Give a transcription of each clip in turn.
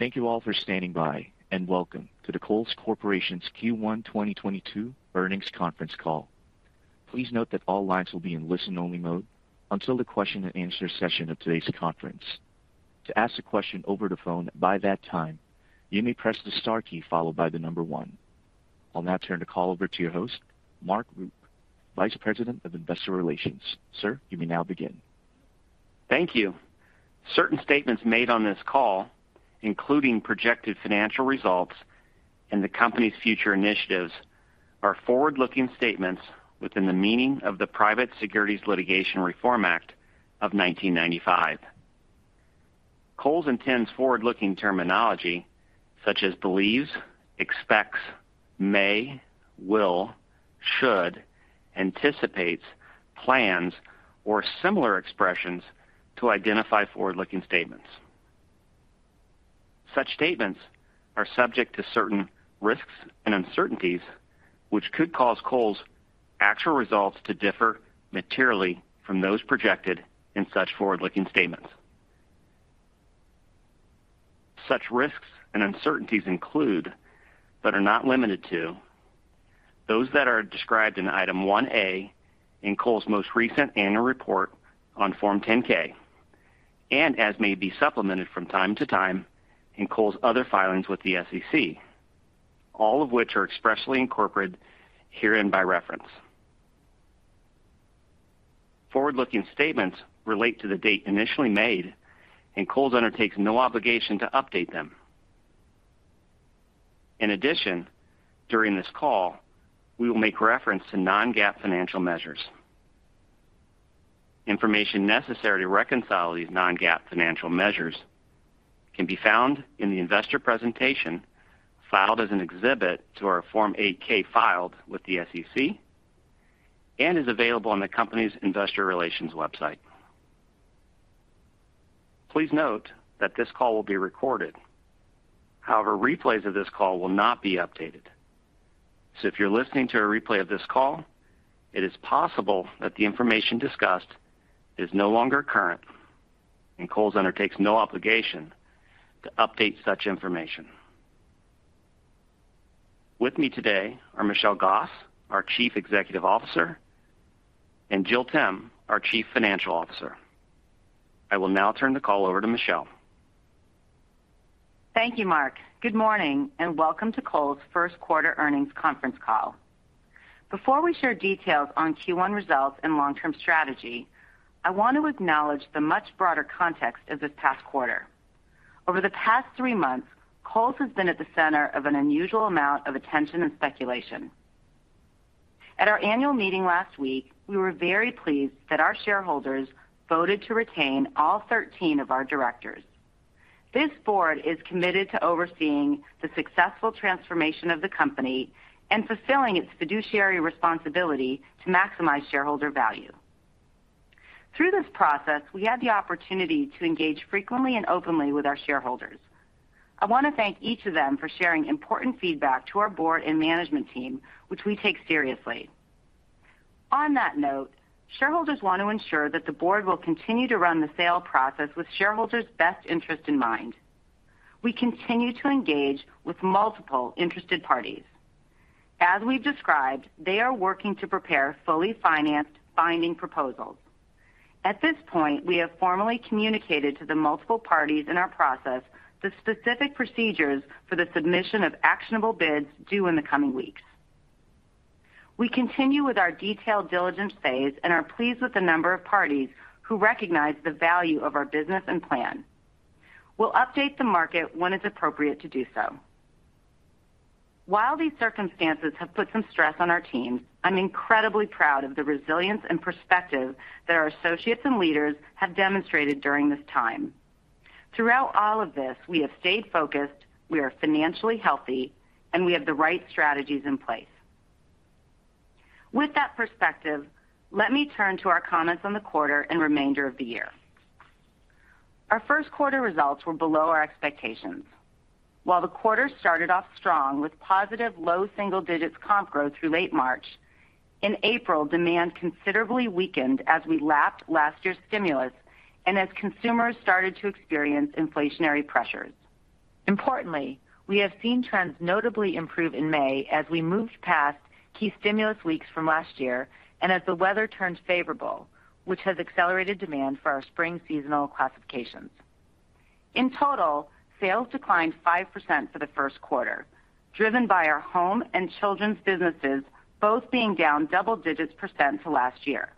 Thank you all for standing by, and welcome to the Kohl's Corporation's Q1 2022 Earnings Conference Call. Please note that all lines will be in listen only mode until the question and answer session of today's conference. To ask a question over the phone by that time, you may press the star key followed by the number one. I'll now turn the call over to your host, Mark Rupe, Vice President of Investor Relations. Sir, you may now begin. Thank you. Certain statements made on this call, including projected financial results and the company's future initiatives, are forward-looking statements within the meaning of the Private Securities Litigation Reform Act of 1995. Kohl's intends forward-looking terminology such as believes, expects, may, will, should, anticipates, plans or similar expressions to identify forward-looking statements. Such statements are subject to certain risks and uncertainties which could cause Kohl's actual results to differ materially from those projected in such forward-looking statements. Such risks and uncertainties include, but are not limited to, those that are described in Item 1A in Kohl's most recent annual report on Form 10-K and as may be supplemented from time to time in Kohl's other filings with the SEC, all of which are expressly incorporated herein by reference. Forward-looking statements relate to the date initially made, and Kohl's undertakes no obligation to update them. In addition, during this call, we will make reference to non-GAAP financial measures. Information necessary to reconcile these non-GAAP financial measures can be found in the investor presentation, filed as an exhibit to our Form 8-K filed with the SEC and is available on the company's investor relations website. Please note that this call will be recorded. However, replays of this call will not be updated. If you're listening to a replay of this call, it is possible that the information discussed is no longer current, and Kohl's undertakes no obligation to update such information. With me today are Michelle Gass, our Chief Executive Officer, and Jill Timm, our Chief Financial Officer. I will now turn the call over to Michelle. Thank you, Mark. Good morning and welcome to Kohl's first quarter earnings conference call. Before we share details on Q1 results and long-term strategy, I want to acknowledge the much broader context of this past quarter. Over the past three months, Kohl's has been at the center of an unusual amount of attention and speculation. At our annual meeting last week, we were very pleased that our shareholders voted to retain all 13 of our directors. This board is committed to overseeing the successful transformation of the company and fulfilling its fiduciary responsibility to maximize shareholder value. Through this process, we had the opportunity to engage frequently and openly with our shareholders. I want to thank each of them for sharing important feedback to our board and management team, which we take seriously. On that note, shareholders want to ensure that the board will continue to run the sale process with shareholders' best interest in mind. We continue to engage with multiple interested parties. As we've described, they are working to prepare fully financed binding proposals. At this point, we have formally communicated to the multiple parties in our process the specific procedures for the submission of actionable bids due in the coming weeks. We continue with our detailed diligence phase and are pleased with the number of parties who recognize the value of our business and plan. We'll update the market when it's appropriate to do so. While these circumstances have put some stress on our teams, I'm incredibly proud of the resilience and perspective that our associates and leaders have demonstrated during this time. Throughout all of this, we have stayed focused, we are financially healthy, and we have the right strategies in place. With that perspective, let me turn to our comments on the quarter and remainder of the year. Our first quarter results were below our expectations. While the quarter started off strong with positive low single digits comp growth through late March, in April, demand considerably weakened as we lapped last year's stimulus and as consumers started to experience inflationary pressures. Importantly, we have seen trends notably improve in May as we moved past key stimulus weeks from last year and as the weather turns favorable, which has accelerated demand for our spring seasonal classifications. In total, sales declined 5% for the first quarter, driven by our home and children's businesses, both being down double digits% to last year.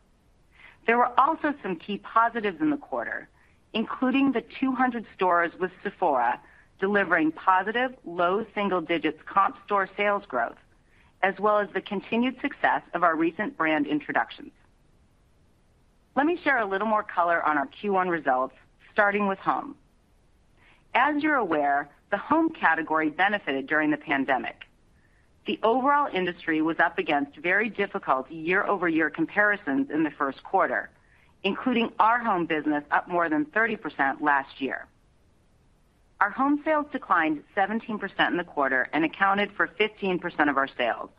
There were also some key positives in the quarter, including the 200 stores with Sephora delivering positive low single digits comp store sales growth, as well as the continued success of our recent brand introductions. Let me share a little more color on our Q1 results, starting with home. As you're aware, the home category benefited during the pandemic. The overall industry was up against very difficult year-over-year comparisons in the first quarter, including our home business up more than 30% last year. Our home sales declined 17% in the quarter and accounted for 15% of our sales.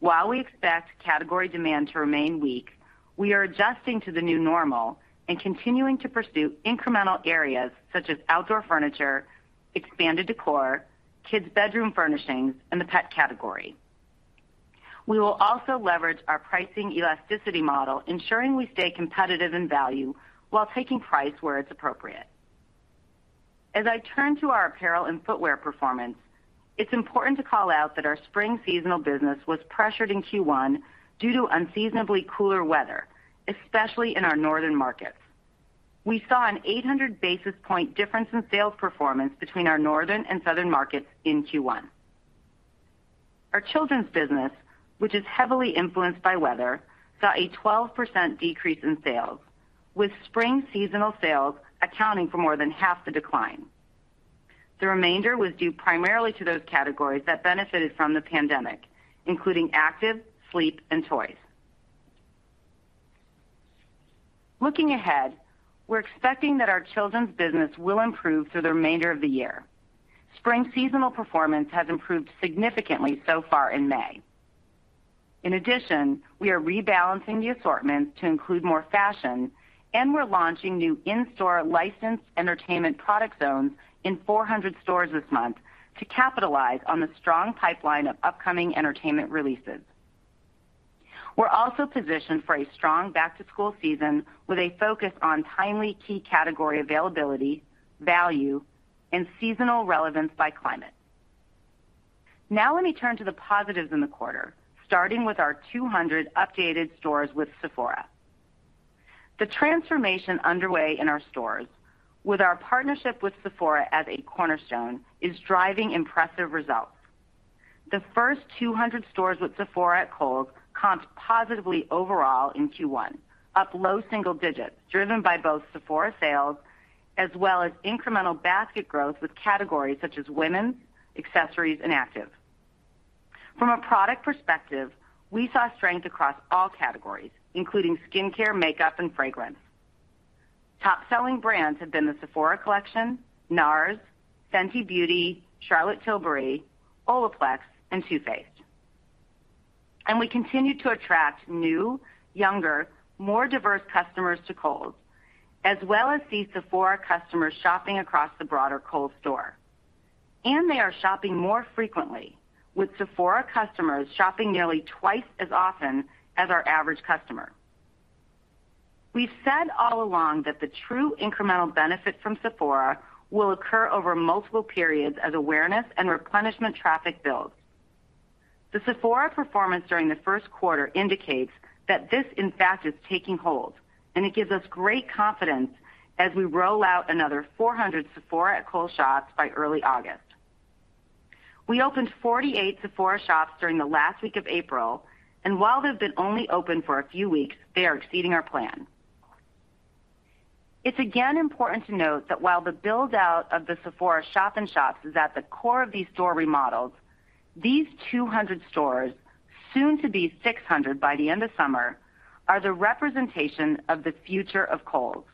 While we expect category demand to remain weak, we are adjusting to the new normal and continuing to pursue incremental areas such as outdoor furniture, expanded decor, kids bedroom furnishings, and the pet category. We will also leverage our pricing elasticity model, ensuring we stay competitive in value while taking price where it's appropriate. As I turn to our apparel and footwear performance, it's important to call out that our spring seasonal business was pressured in Q1 due to unseasonably cooler weather, especially in our northern markets. We saw an 800 basis point difference in sales performance between our northern and southern markets in Q1. Our children's business, which is heavily influenced by weather, saw a 12% decrease in sales, with spring seasonal sales accounting for more than half the decline. The remainder was due primarily to those categories that benefited from the pandemic, including active, sleep, and toys. Looking ahead, we're expecting that our children's business will improve through the remainder of the year. Spring seasonal performance has improved significantly so far in May. In addition, we are rebalancing the assortments to include more fashion, and we're launching new in-store licensed entertainment product zones in 400 stores this month to capitalize on the strong pipeline of upcoming entertainment releases. We're also positioned for a strong back-to-school season with a focus on timely key category availability, value, and seasonal relevance by climate. Now let me turn to the positives in the quarter, starting with our 200 updated stores with Sephora. The transformation underway in our stores with our partnership with Sephora as a cornerstone is driving impressive results. The first 200 stores with Sephora at Kohl's comped positively overall in Q1, up low single digits%, driven by both Sephora sales as well as incremental basket growth with categories such as women's, accessories, and active. From a product perspective, we saw strength across all categories, including skincare, makeup, and fragrance. Top-selling brands have been the Sephora Collection, NARS, Fenty Beauty, Charlotte Tilbury, Olaplex, and Too Faced. We continue to attract new, younger, more diverse customers to Kohl's, as well as see Sephora customers shopping across the broader Kohl's store. They are shopping more frequently with Sephora customers shopping nearly twice as often as our average customer. We've said all along that the true incremental benefit from Sephora will occur over multiple periods as awareness and replenishment traffic builds. The Sephora performance during the first quarter indicates that this in fact is taking hold and it gives us great confidence as we roll out another 400 Sephora at Kohl's shops by early August. We opened 48 Sephora shops during the last week of April, and while they've been only open for a few weeks, they are exceeding our plan. It's again important to note that while the build-out of the Sephora shop in shops is at the core of these store remodels, these 200 stores, soon to be 600 by the end of summer, are the representation of the future of Kohl's.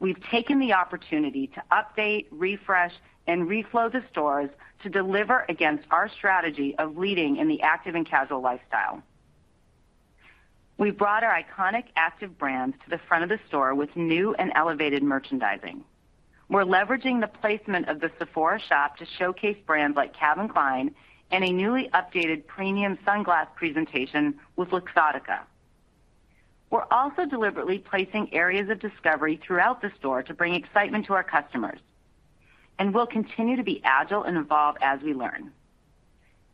We've taken the opportunity to update, refresh, and reflow the stores to deliver against our strategy of leading in the active and casual lifestyle. We've brought our iconic active brands to the front of the store with new and elevated merchandising. We're leveraging the placement of the Sephora shop to showcase brands like Calvin Klein and a newly updated premium sunglass presentation with Luxottica. We're also deliberately placing areas of discovery throughout the store to bring excitement to our customers, and we'll continue to be agile and evolve as we learn.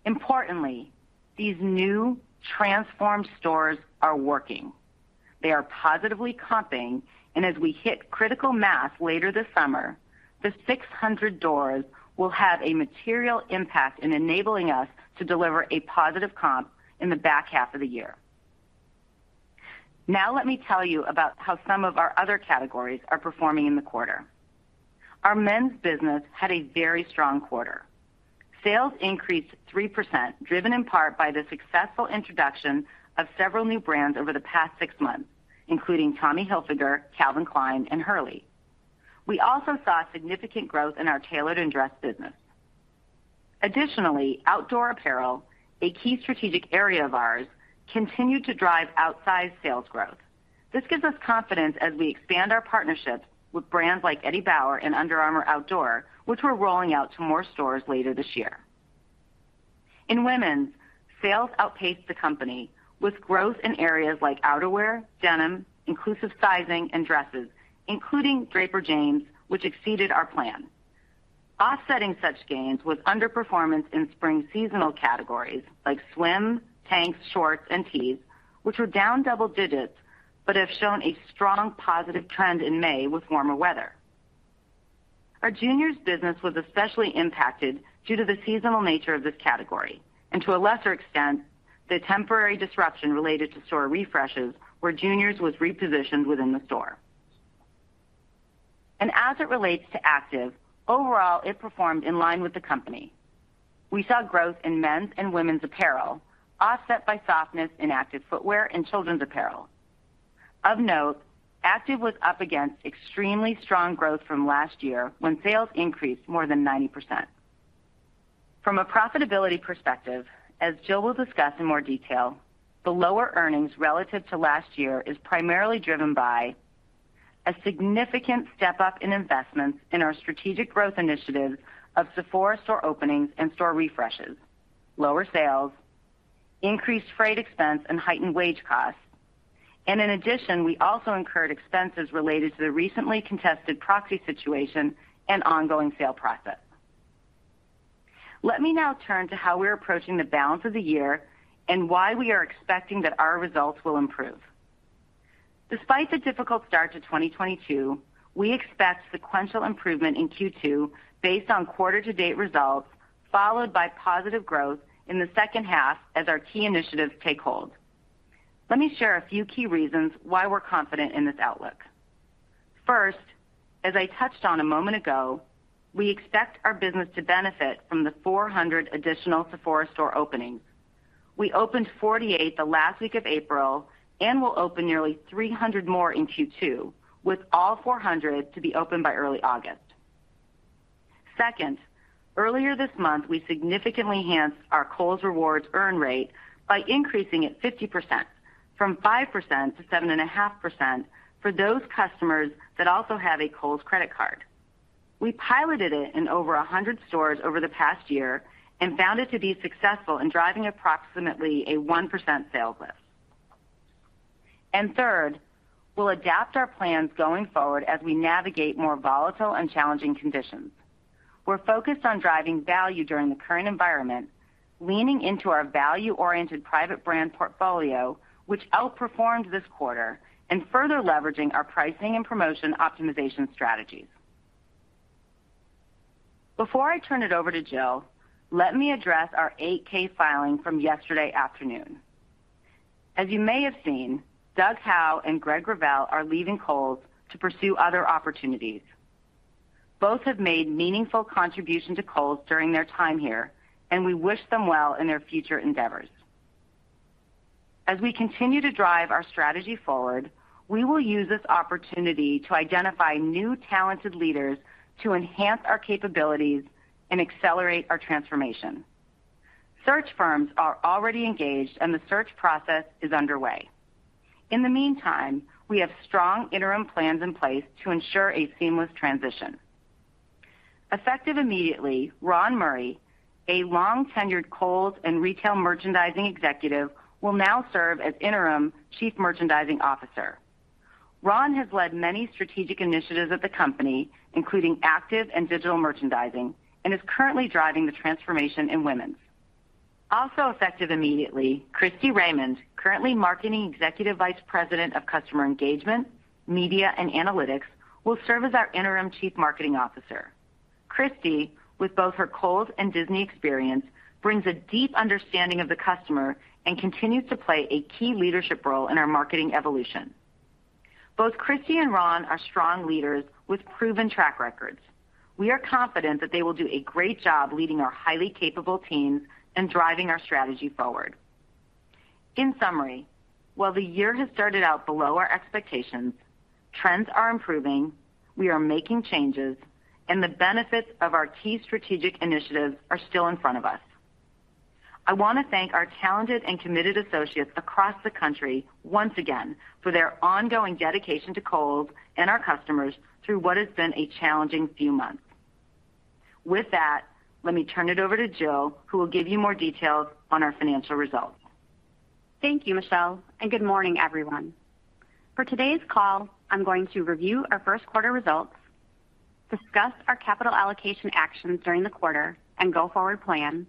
Importantly, these new transformed stores are working. They are positively comping, and as we hit critical mass later this summer, the 600 doors will have a material impact in enabling us to deliver a positive comp in the back half of the year. Now let me tell you about how some of our other categories are performing in the quarter. Our men's business had a very strong quarter. Sales increased 3%, driven in part by the successful introduction of several new brands over the past six months, including Tommy Hilfiger, Calvin Klein, and Hurley. We also saw significant growth in our tailored and dress business. Additionally, outdoor apparel, a key strategic area of ours, continued to drive outsized sales growth. This gives us confidence as we expand our partnerships with brands like Eddie Bauer and Under Armour Outdoor, which we're rolling out to more stores later this year. In women's, sales outpaced the company with growth in areas like outerwear, denim, inclusive sizing, and dresses, including Draper James, which exceeded our plan. Offsetting such gains was underperformance in spring seasonal categories like swim, tanks, shorts, and tees, which were down double digits but have shown a strong positive trend in May with warmer weather. Our juniors business was especially impacted due to the seasonal nature of this category, and to a lesser extent, the temporary disruption related to store refreshes where juniors was repositioned within the store. As it relates to active, overall, it performed in line with the company. We saw growth in men's and women's apparel offset by softness in active footwear and children's apparel. Of note, active was up against extremely strong growth from last year when sales increased more than 90%. From a profitability perspective, as Jill will discuss in more detail, the lower earnings relative to last year is primarily driven by a significant step up in investments in our strategic growth initiatives of Sephora store openings and store refreshes, lower sales, increased freight expense and heightened wage costs. In addition, we also incurred expenses related to the recently contested proxy situation and ongoing sale process. Let me now turn to how we're approaching the balance of the year and why we are expecting that our results will improve. Despite the difficult start to 2022, we expect sequential improvement in Q2 based on quarter to date results, followed by positive growth in the second half as our key initiatives take hold. Let me share a few key reasons why we're confident in this outlook. First, as I touched on a moment ago, we expect our business to benefit from the 400 additional Sephora store openings. We opened 48 the last week of April and will open nearly 300 more in Q2, with all 400 to be opened by early August. Second, earlier this month, we significantly enhanced our Kohl's Rewards earn rate by increasing it 50% from 5% to 7.5% for those customers that also have a Kohl's Card. We piloted it in over 100 stores over the past year and found it to be successful in driving approximately a 1% sales lift. Third, we'll adapt our plans going forward as we navigate more volatile and challenging conditions. We're focused on driving value during the current environment, leaning into our value-oriented private brand portfolio, which outperformed this quarter, and further leveraging our pricing and promotion optimization strategies. Before I turn it over to Jill, let me address our 8-K filing from yesterday afternoon. As you may have seen, Douglas Howe and Greg Revelle are leaving Kohl's to pursue other opportunities. Both have made meaningful contribution to Kohl's during their time here, and we wish them well in their future endeavors. As we continue to drive our strategy forward, we will use this opportunity to identify new talented leaders to enhance our capabilities and accelerate our transformation. Search firms are already engaged and the search process is underway. In the meantime, we have strong interim plans in place to ensure a seamless transition. Effective immediately, Ron Murray, a long tenured Kohl's and retail merchandising executive, will now serve as interim Chief Merchandising Officer. Ron has led many strategic initiatives at the company, including active and digital merchandising, and is currently driving the transformation in women's. Also effective immediately, Christie Raymond, currently Marketing Executive Vice President of customer engagement, media and analytics, will serve as our interim Chief Marketing Officer. Christie, with both her Kohl's and Disney experience, brings a deep understanding of the customer and continues to play a key leadership role in our marketing evolution. Both Christie and Ron are strong leaders with proven track records. We are confident that they will do a great job leading our highly capable teams and driving our strategy forward. In summary, while the year has started out below our expectations, trends are improving, we are making changes and the benefits of our key strategic initiatives are still in front of us. I want to thank our talented and committed associates across the country once again for their ongoing dedication to Kohl's and our customers through what has been a challenging few months. With that, let me turn it over to Jill, who will give you more details on our financial results. Thank you, Michelle, and good morning everyone. For today's call, I'm going to review our first quarter results, discuss our capital allocation actions during the quarter and go forward plans,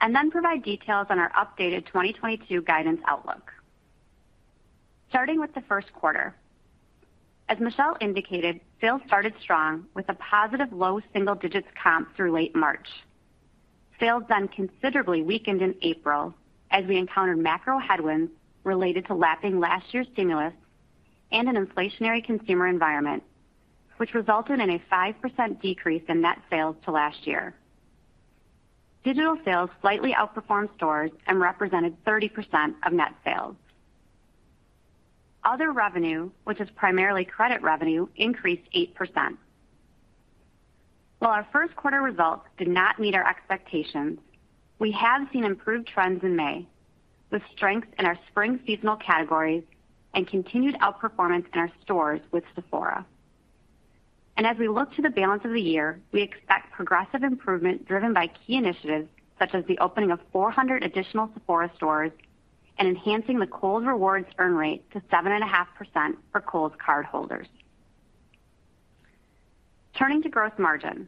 and then provide details on our updated 2022 guidance outlook. Starting with the first quarter. As Michelle indicated, sales started strong with a positive low single digits comp through late March. Sales then considerably weakened in April as we encountered macro headwinds related to lapping last year's stimulus and an inflationary consumer environment, which resulted in a 5% decrease in net sales to last year. Digital sales slightly outperformed stores and represented 30% of net sales. Other revenue, which is primarily credit revenue, increased 8%. While our first quarter results did not meet our expectations, we have seen improved trends in May, with strength in our spring seasonal categories and continued outperformance in our stores with Sephora. As we look to the balance of the year, we expect progressive improvement driven by key initiatives such as the opening of 400 additional Sephora stores and enhancing the Kohl's Rewards earn rate to 7.5% for Kohl's Cardholders. Turning to gross margin.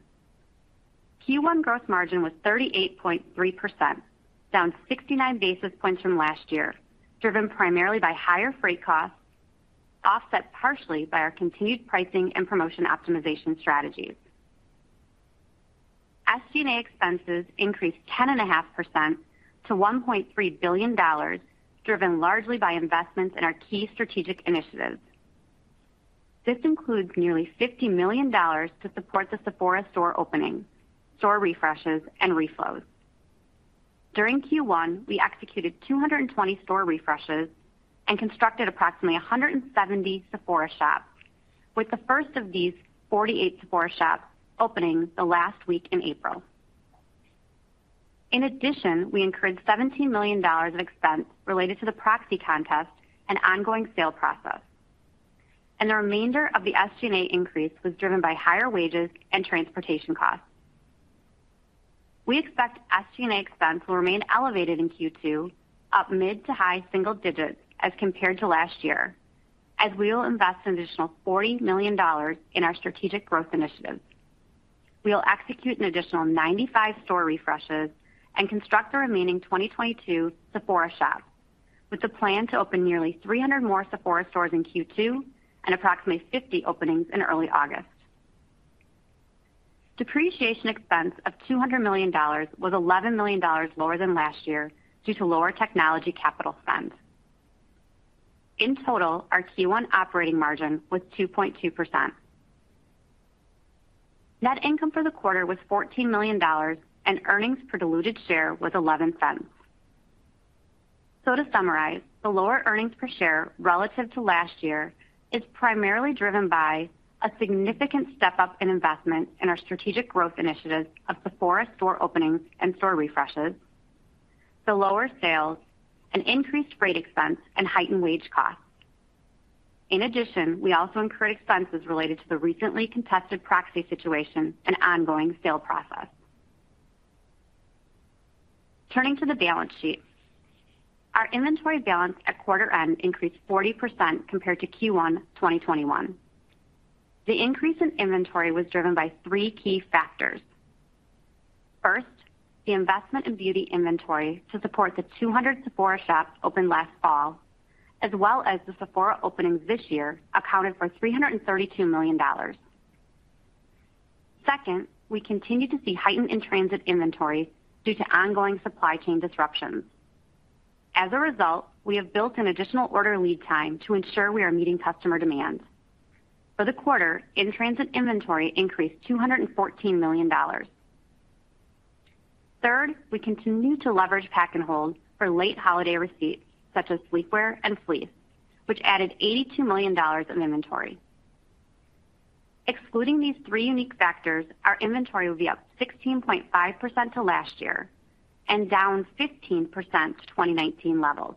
Q1 gross margin was 38.3%, down 69 basis points from last year, driven primarily by higher freight costs, offset partially by our continued pricing and promotion optimization strategies. SG&A expenses increased 10.5% to $1.3 billion, driven largely by investments in our key strategic initiatives. This includes nearly $50 million to support the Sephora store opening, store refreshes, and reflows. During Q1, we executed 220 store refreshes and constructed approximately 170 Sephora shops, with the first of these 48 Sephora shops opening the last week in April. In addition, we incurred $17 million of expense related to the proxy contest and ongoing sale process. The remainder of the SG&A increase was driven by higher wages and transportation costs. We expect SG&A expense will remain elevated in Q2, up mid- to high-single digits% as compared to last year, as we will invest an additional $40 million in our strategic growth initiatives. We'll execute an additional 95 store refreshes and construct the remaining 2022 Sephora shops, with the plan to open nearly 300 more Sephora stores in Q2 and approximately 50 openings in early August. Depreciation expense of $200 million was $11 million lower than last year due to lower technology capital spend. In total, our Q1 operating margin was 2.2%. Net income for the quarter was $14 million, and earnings per diluted share was $0.11. To summarize, the lower earnings per share relative to last year is primarily driven by a significant step-up in investment in our strategic growth initiatives of Sephora store openings and store refreshes, the lower sales, and increased freight expense and heightened wage costs. In addition, we also incurred expenses related to the recently contested proxy situation and ongoing sale process. Turning to the balance sheet. Our inventory balance at quarter end increased 40% compared to Q1 2021. The increase in inventory was driven by three key factors. First, the investment in beauty inventory to support the 200 Sephora shops opened last fall, as well as the Sephora openings this year accounted for $332 million. Second, we continue to see heightened in-transit inventory due to ongoing supply chain disruptions. As a result, we have built an additional order lead time to ensure we are meeting customer demands. For the quarter, in-transit inventory increased $214 million. Third, we continue to leverage pack and hold for late holiday receipts, such as sleepwear and fleece, which added $82 million in inventory. Excluding these three unique factors, our inventory will be up 16.5% to last year and down 15% to 2019 levels.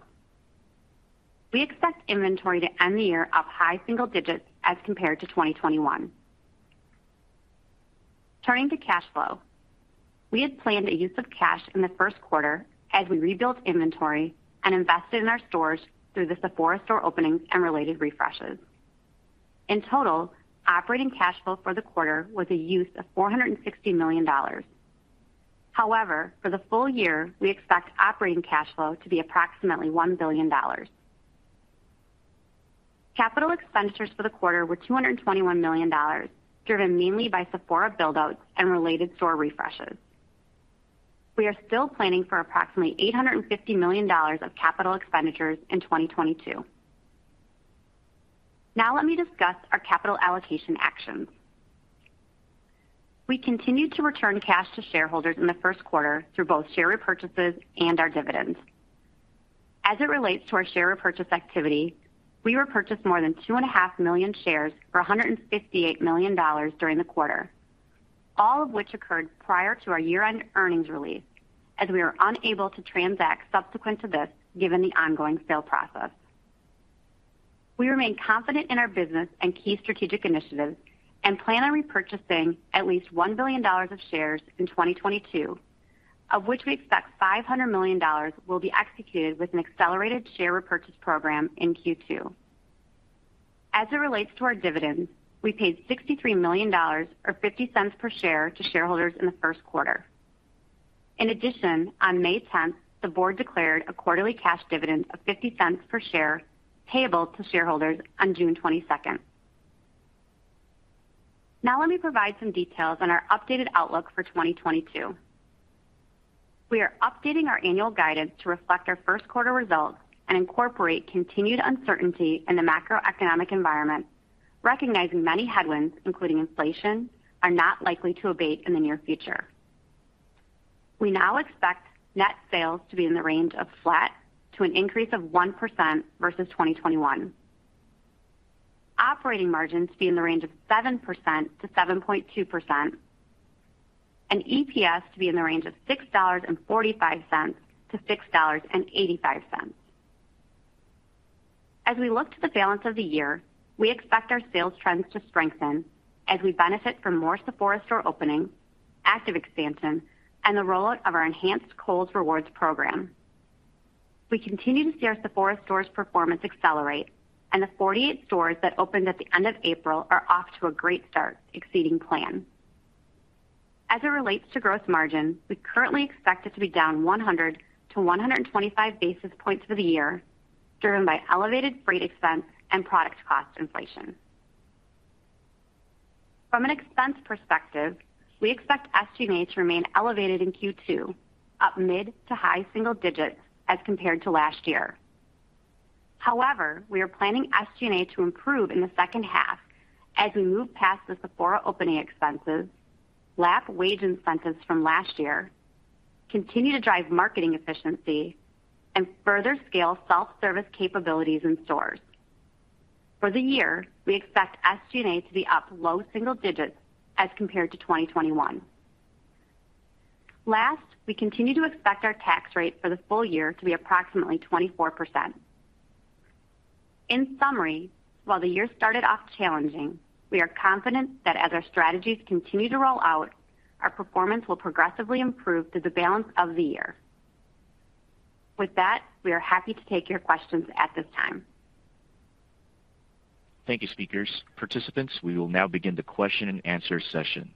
We expect inventory to end the year up high single digits% as compared to 2021. Turning to cash flow. We had planned a use of cash in the first quarter as we rebuilt inventory and invested in our stores through the Sephora store openings and related refreshes. In total, operating cash flow for the quarter was a use of $460 million. However, for the full year, we expect operating cash flow to be approximately $1 billion. Capital expenditures for the quarter were $221 million, driven mainly by Sephora build-outs and related store refreshes. We are still planning for approximately $850 million of capital expenditures in 2022. Now let me discuss our capital allocation actions. We continued to return cash to shareholders in the first quarter through both share repurchases and our dividends. As it relates to our share repurchase activity, we repurchased more than 2.5 million shares for $158 million during the quarter, all of which occurred prior to our year-end earnings release, as we are unable to transact subsequent to this given the ongoing sale process. We remain confident in our business and key strategic initiatives and plan on repurchasing at least $1 billion of shares in 2022, of which we expect $500 million will be executed with an accelerated share repurchase program in Q2. As it relates to our dividends, we paid $63 million or $0.50 per share to shareholders in the first quarter. In addition, on May tenth, the board declared a quarterly cash dividend of $0.50 per share payable to shareholders on June twenty-second. Now let me provide some details on our updated outlook for 2022. We are updating our annual guidance to reflect our first quarter results and incorporate continued uncertainty in the macroeconomic environment, recognizing many headwinds, including inflation, are not likely to abate in the near future. We now expect net sales to be in the range of flat to an increase of 1% versus 2021. Operating margins to be in the range of 7%-7.2%, and EPS to be in the range of $6.45-$6.85. As we look to the balance of the year, we expect our sales trends to strengthen as we benefit from more Sephora store openings, active expansion, and the rollout of our enhanced Kohl's Rewards program. We continue to see our Sephora stores' performance accelerate, and the 48 stores that opened at the end of April are off to a great start, exceeding plan. As it relates to gross margin, we currently expect it to be down 100-125 basis points for the year, driven by elevated freight expense and product cost inflation. From an expense perspective, we expect SG&A to remain elevated in Q2, up mid to high single digits as compared to last year. However, we are planning SG&A to improve in the second half as we move past the Sephora opening expenses, lap wage incentives from last year, continue to drive marketing efficiency and further scale self-service capabilities in stores. For the year, we expect SG&A to be up low single digits as compared to 2021. Last, we continue to expect our tax rate for the full year to be approximately 24%. In summary, while the year started off challenging, we are confident that as our strategies continue to roll out, our performance will progressively improve through the balance of the year. With that, we are happy to take your questions at this time. Thank you, speakers. Participants, we will now begin the question and answer session.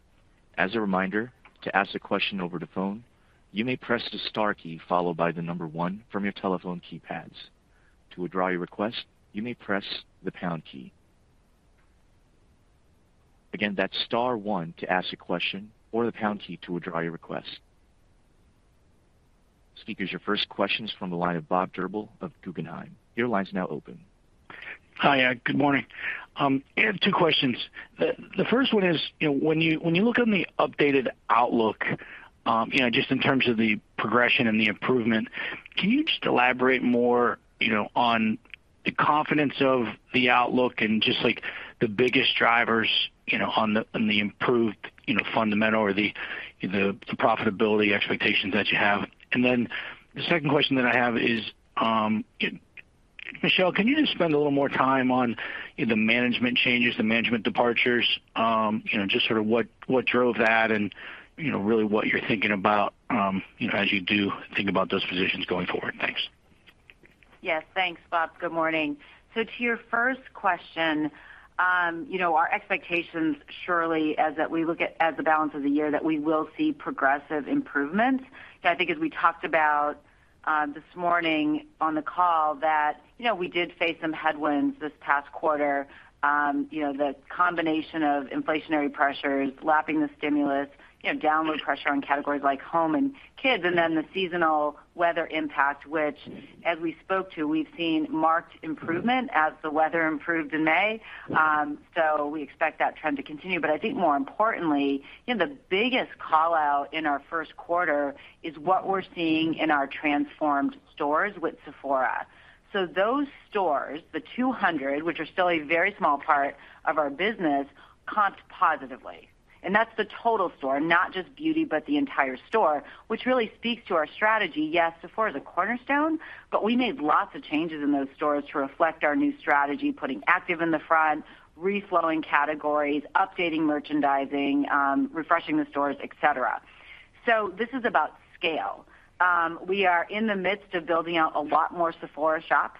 As a reminder, to ask a question over the phone, you may press the star key followed by the number one from your telephone keypads. To withdraw your request, you may press the pound key. Again, that's star one to ask a question or the pound key to withdraw your request. Speakers, your first question is from the line of Bob Drbul of Guggenheim. Your line is now open. Hi. Good morning. I have two questions. The first one is, you know, when you look on the updated outlook, you know, just in terms of the progression and the improvement, can you just elaborate more, you know, on the confidence of the outlook and just like the biggest drivers, you know, on the improved fundamental or the profitability expectations that you have? The second question that I have is, Michelle, can you just spend a little more time on the management changes, the management departures, you know, just sort of what drove that and, you know, really what you're thinking about, you know, as you do think about those positions going forward? Thanks. Yes, thanks, Bob. Good morning. To your first question, you know, our expectations are that we look at the balance of the year that we will see progressive improvements. I think as we talked about, this morning on the call that, you know, we did face some headwinds this past quarter. You know, the combination of inflationary pressures, lapping the stimulus, you know, downward pressure on categories like home and kids, and then the seasonal weather impact, which as we spoke to, we've seen marked improvement as the weather improved in May. We expect that trend to continue. I think more importantly, you know, the biggest call out in our first quarter is what we're seeing in our transformed stores with Sephora. Those stores, the 200, which are still a very small part of our business, comped positively. That's the total store, not just beauty, but the entire store, which really speaks to our strategy. Yes, Sephora is a cornerstone, but we made lots of changes in those stores to reflect our new strategy, putting active in the front, reflowing categories, updating merchandising, refreshing the stores, et cetera. This is about scale. We are in the midst of building out a lot more Sephora shops.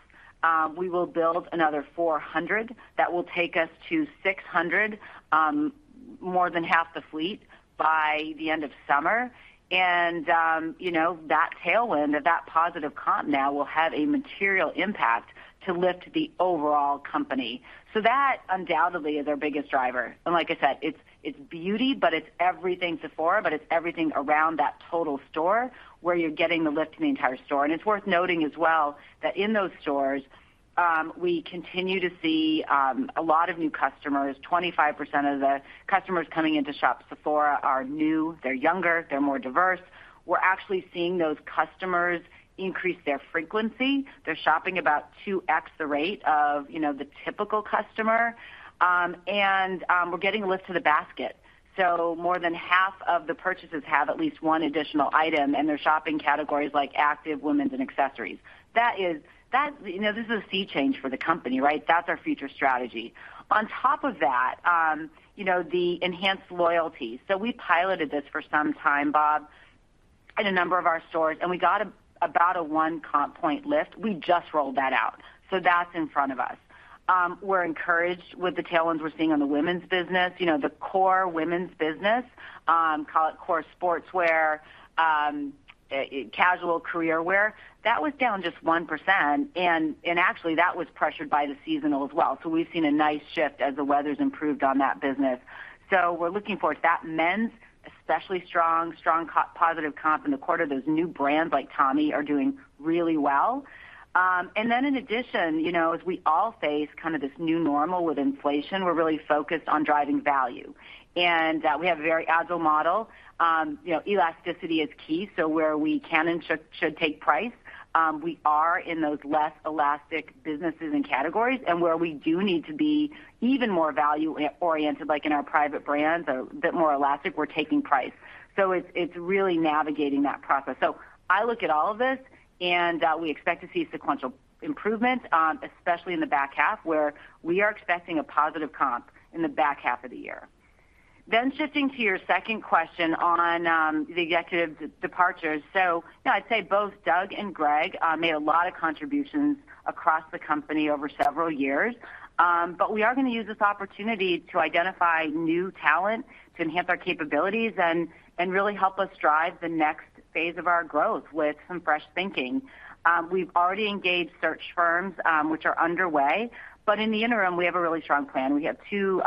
We will build another 400. That will take us to 600, more than half the fleet by the end of summer. You know, that tailwind or that positive comp now will have a material impact to lift the overall company. That undoubtedly is our biggest driver. Like I said, it's beauty, but it's everything Sephora, but it's everything around that total store where you're getting the lift in the entire store. It's worth noting as well that in those stores, we continue to see a lot of new customers. 25% of the customers coming into shop Sephora are new, they're younger, they're more diverse. We're actually seeing those customers increase their frequency. They're shopping about 2x the rate of, you know, the typical customer. We're getting a lift to the basket. More than half of the purchases have at least one additional item, and they're shopping categories like active women's and accessories. That is, you know, this is a sea change for the company, right? That's our future strategy. On top of that, you know, the enhanced loyalty. We piloted this for some time, Bob, in a number of our stores, and we got about a 1 comp point lift. We just rolled that out. That's in front of us. We're encouraged with the tailwinds we're seeing on the women's business. You know, the core women's business, call it core sportswear, casual career wear, that was down just 1%. And actually that was pressured by the seasonal as well. We've seen a nice shift as the weather's improved on that business. We're looking for that men's, especially strong positive comp in the quarter. Those new brands like Tommy are doing really well. And then in addition, you know, as we all face kind of this new normal with inflation, we're really focused on driving value. And we have a very agile model. You know, elasticity is key. Where we can and should take price, we are in those less elastic businesses and categories. Where we do need to be even more value oriented, like in our private brands, a bit more elastic, we're taking price. It's really navigating that process. I look at all of this and we expect to see sequential improvement, especially in the back half where we are expecting a positive comp in the back half of the year. Shifting to your second question on the executive departures. You know, I'd say both Doug and Greg made a lot of contributions across the company over several years. We are going to use this opportunity to identify new talent to enhance our capabilities and really help us drive the next phase of our growth with some fresh thinking. We've already engaged search firms, which are underway. In the interim, we have a really strong plan. We have two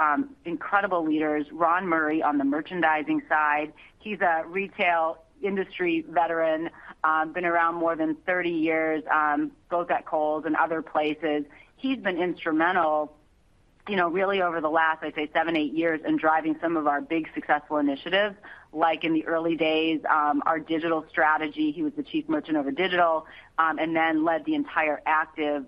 incredible leaders, Ron Murray on the merchandising side. He's a retail industry veteran, been around more than 30 years, both at Kohl's and other places. He's been instrumental You know, really over the last, I'd say seven, eight years in driving some of our big successful initiatives, like in the early days, our digital strategy. He was the chief merchant of a digital, and then led the entire active,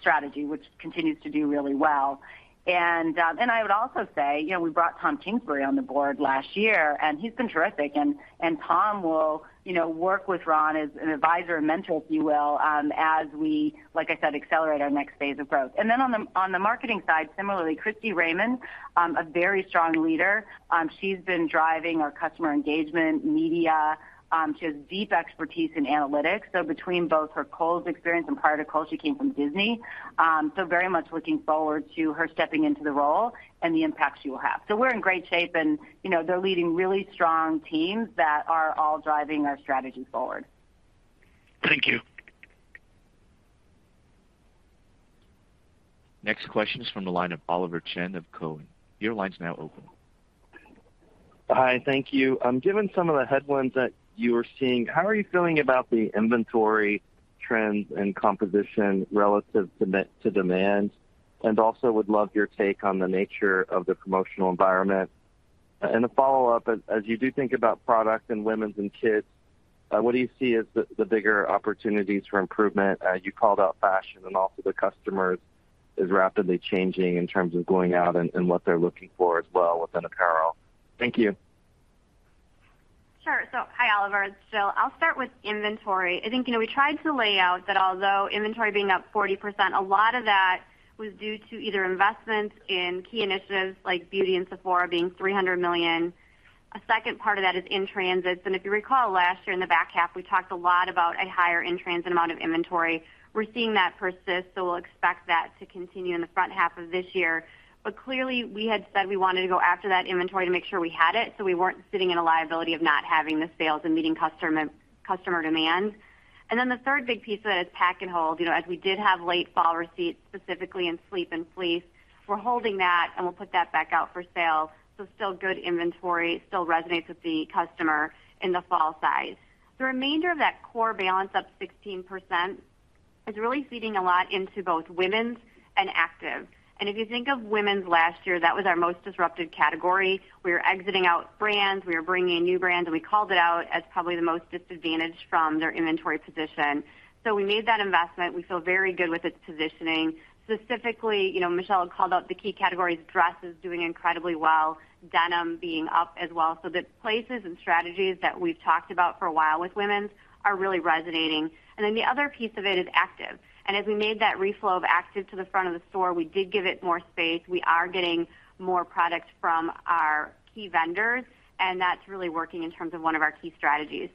strategy, which continues to do really well. I would also say, you know, we brought Thomas Kingsbury on the board last year, and he's been terrific. Tom will, you know, work with Ron as an advisor and mentor, if you will, as we, like I said, accelerate our next phase of growth. Then on the marketing side, similarly, Christie Raymond, a very strong leader, she's been driving our customer engagement, media. She has deep expertise in analytics. Between both her Kohl's experience and prior to Kohl's, she came from Disney. Very much looking forward to her stepping into the role and the impact she will have. We're in great shape and, you know, they're leading really strong teams that are all driving our strategy forward. Thank you. Next question is from the line of Oliver Chen of Cowen. Your line's now open. Hi, thank you. Given some of the headwinds that you are seeing, how are you feeling about the inventory trends and composition relative to to demand? Also would love your take on the nature of the promotional environment. A follow-up, as you do think about product and women's and kids, what do you see as the bigger opportunities for improvement? You called out fashion and also the customers is rapidly changing in terms of going out and what they're looking for as well within apparel. Thank you. Sure. Hi, Oliver. It's Jill. I'll start with inventory. I think, you know, we tried to lay out that although inventory being up 40%, a lot of that was due to either investments in key initiatives like beauty and Sephora being $300 million. A second part of that is in-transits. If you recall last year in the back half, we talked a lot about a higher in-transit amount of inventory. We're seeing that persist, so we'll expect that to continue in the front half of this year. Clearly, we had said we wanted to go after that inventory to make sure we had it, so we weren't sitting in a liability of not having the sales and meeting customer demand. Then the third big piece of it is pack and hold. You know, as we did have late fall receipts, specifically in sleep and fleece, we're holding that, and we'll put that back out for sale. Still good inventory, still resonates with the customer in the full size. The remainder of that core balance up 16% is really feeding a lot into both women's and active. If you think of women's last year, that was our most disrupted category. We were exiting out brands, we were bringing in new brands, and we called it out as probably the most disadvantaged from their inventory position. We made that investment. We feel very good with its positioning. Specifically, you know, Michelle called out the key categories, dresses doing incredibly well, denim being up as well. The places and strategies that we've talked about for a while with women are really resonating. Then the other piece of it is active. As we made that reflow of active to the front of the store, we did give it more space. We are getting more products from our key vendors, and that's really working in terms of one of our key strategies.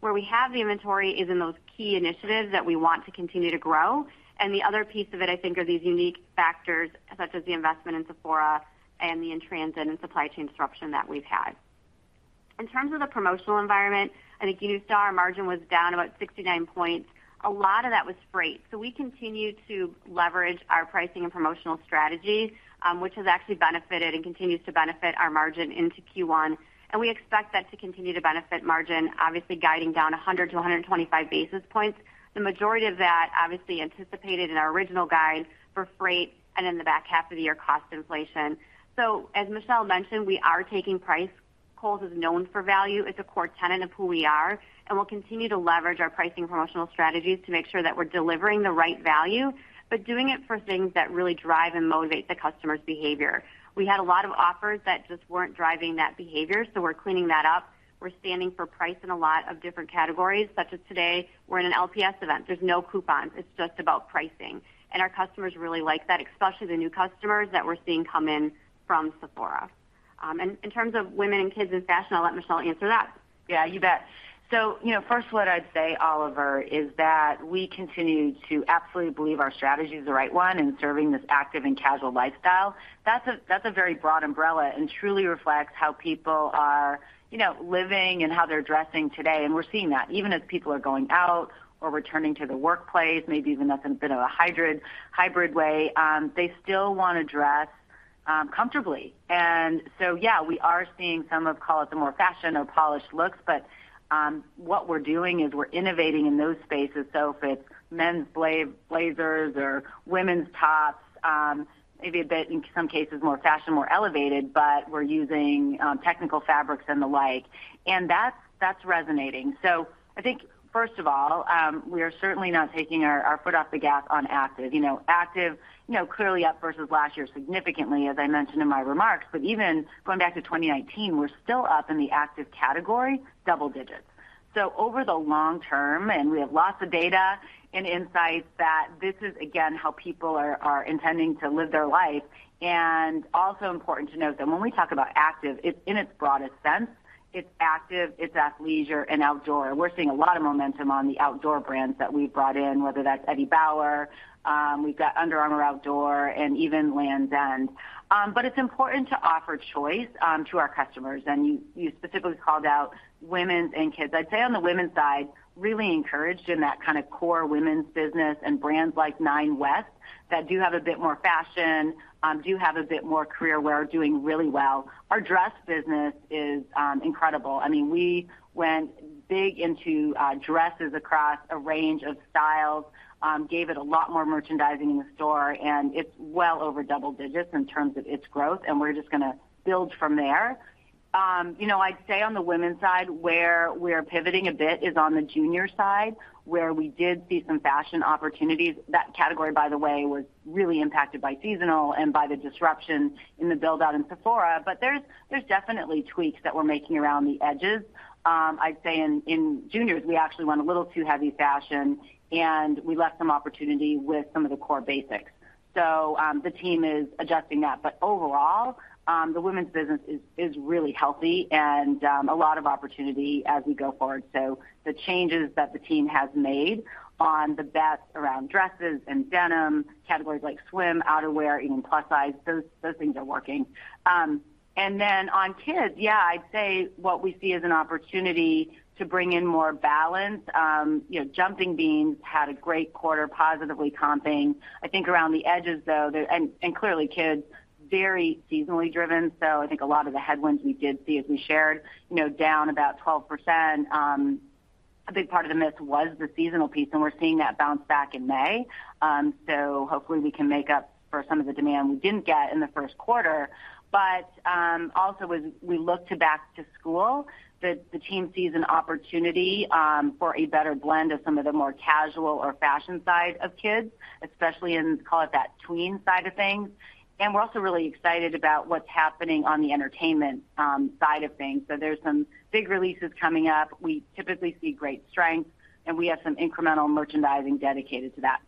Where we have the inventory is in those key initiatives that we want to continue to grow. The other piece of it, I think, are these unique factors such as the investment in Sephora and the in-transit and supply chain disruption that we've had. In terms of the promotional environment, I think you noticed our margin was down about 69 points. A lot of that was freight. We continue to leverage our pricing and promotional strategy, which has actually benefited and continues to benefit our margin into Q1. We expect that to continue to benefit margin, obviously guiding down 100-125 basis points. The majority of that, obviously anticipated in our original guide for freight and in the back half of the year, cost inflation. As Michelle mentioned, we are taking price. Kohl's is known for value. It's a core tenet of who we are, and we'll continue to leverage our pricing promotional strategies to make sure that we're delivering the right value, but doing it for things that really drive and motivate the customer's behavior. We had a lot of offers that just weren't driving that behavior, so we're cleaning that up. We're standing for price in a lot of different categories, such as today, we're in an LPS event. There's no coupons. It's just about pricing. Our customers really like that, especially the new customers that we're seeing come in from Sephora. In terms of women and kids and fashion, I'll let Michelle answer that. Yeah, you bet. You know, first what I'd say, Oliver, is that we continue to absolutely believe our strategy is the right one in serving this active and casual lifestyle. That's a very broad umbrella and truly reflects how people are, you know, living and how they're dressing today. We're seeing that even as people are going out or returning to the workplace, maybe even that's a bit of a hybrid way, they still wanna dress comfortably. Yeah, we are seeing some of, call it the more fashion or polished looks, but what we're doing is we're innovating in those spaces. If it's men's blazers or women's tops, maybe a bit, in some cases, more fashion, more elevated, but we're using technical fabrics and the like. That's resonating. I think, first of all, we are certainly not taking our foot off the gas on active. You know, active, you know, clearly up versus last year, significantly, as I mentioned in my remarks. Even going back to 2019, we're still up in the active category, double digits. Over the long term, and we have lots of data and insights that this is again how people are intending to live their life. Also important to note that when we talk about active, it's in its broadest sense. It's active, it's athleisure and outdoor. We're seeing a lot of momentum on the outdoor brands that we brought in, whether that's Eddie Bauer, we've got Under Armour Outdoor and even Lands' End. It's important to offer choice to our customers. You specifically called out women's and kids. I'd say on the women's side, really encouraged in that kinda core women's business and brands like Nine West that do have a bit more fashion, do have a bit more career wear, are doing really well. Our dress business is incredible. I mean, we went big into dresses across a range of styles, gave it a lot more merchandising in the store, and it's well over double digits in terms of its growth, and we're just gonna build from there. You know, I'd say on the women's side, where we're pivoting a bit is on the junior side, where we did see some fashion opportunities. That category, by the way, was really impacted by seasonal and by the disruption in the build out in Sephora. There's definitely tweaks that we're making around the edges. I'd say in juniors, we actually went a little too heavy fashion, and we left some opportunity with some of the core basics. The team is adjusting that. Overall, the women's business is really healthy and a lot of opportunity as we go forward. The changes that the team has made on the bets around dresses and denim, categories like swim, outerwear, even plus size, those things are working. Then on kids, yeah, I'd say what we see as an opportunity to bring in more balance. You know, Jumping Beans had a great quarter positively comping. I think around the edges, though. Clearly kids, very seasonally driven. I think a lot of the headwinds we did see as we shared, you know, down about 12%. A big part of the miss was the seasonal piece, and we're seeing that bounce back in May. Hopefully we can make up for some of the demand we didn't get in the first quarter. Also as we look to back to school, the team sees an opportunity for a better blend of some of the more casual or fashion side of kids, especially in, call it that tween side of things. We're also really excited about what's happening on the entertainment side of things. There's some big releases coming up. We typically see great strength, and we have some incremental merchandising dedicated to that.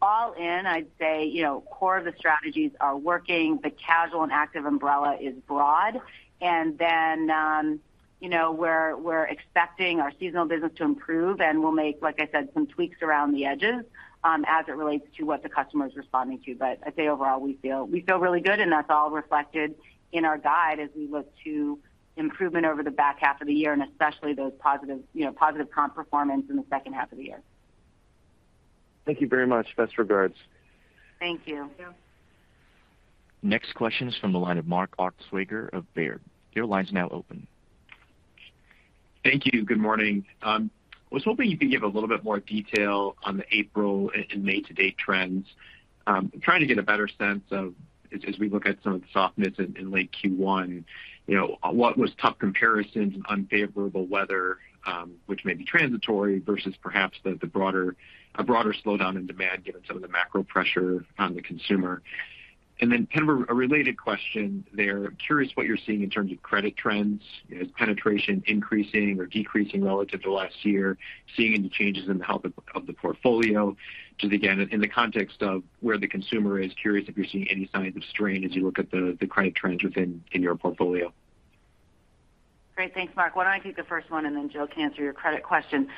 All in, I'd say, you know, core of the strategies are working. The casual and active umbrella is broad. You know, we're expecting our seasonal business to improve, and we'll make, like I said, some tweaks around the edges, as it relates to what the customer is responding to. But I'd say overall, we feel really good, and that's all reflected in our guide as we look to improvement over the back half of the year, and especially those positive, you know, positive comp performance in the second half of the year. Thank you very much. Best regards. Thank you. Next question is from the line of Mark Altschwager of Baird. Your line is now open. Thank you. Good morning. I was hoping you could give a little bit more detail on the April and May to date trends. Trying to get a better sense of as we look at some of the softness in late Q1, you know, what was tough comparisons and unfavorable weather, which may be transitory versus perhaps the broader slowdown in demand given some of the macro pressure on the consumer. Kind of a related question there. Curious what you're seeing in terms of credit trends. Is penetration increasing or decreasing relative to last year? Seeing any changes in the health of the portfolio. Just again, in the context of where the consumer is, curious if you're seeing any signs of strain as you look at the credit trends within your portfolio. Great. Thanks, Mark. Why don't I take the first one, and then Jill can answer your credit question.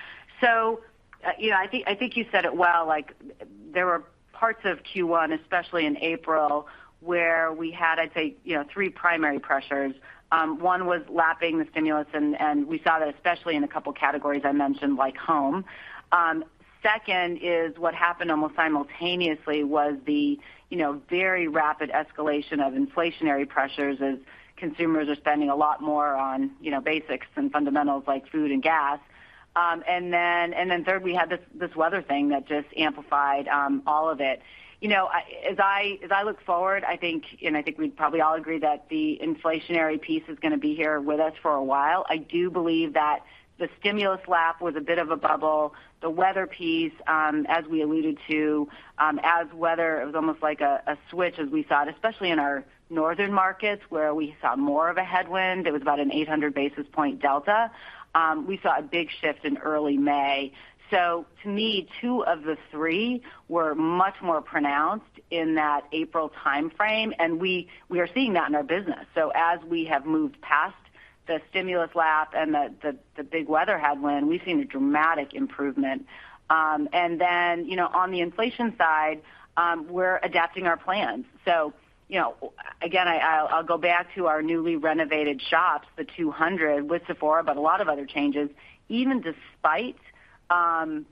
You know, I think you said it well, like there were parts of Q1, especially in April, where we had, I'd say, you know, three primary pressures. One was lapping the stimulus, and we saw that especially in a couple categories I mentioned, like home. Second is what happened almost simultaneously was the you know, very rapid escalation of inflationary pressures as consumers are spending a lot more on, you know, basics and fundamentals like food and gas. And then third, we had this weather thing that just amplified all of it. You know, as I look forward, I think we'd probably all agree that the inflationary piece is gonna be here with us for a while. I do believe that the stimulus lap was a bit of a bubble. The weather piece, as we alluded to, it was almost like a switch as we saw it, especially in our northern markets where we saw more of a headwind. It was about an 800 basis point delta. We saw a big shift in early May. To me, two of the three were much more pronounced in that April timeframe, and we are seeing that in our business. As we have moved past the stimulus lap and the big weather headwind, we've seen a dramatic improvement. You know, on the inflation side, we're adapting our plans. You know, again, I'll go back to our newly renovated shops, the 200 with Sephora, but a lot of other changes. Even despite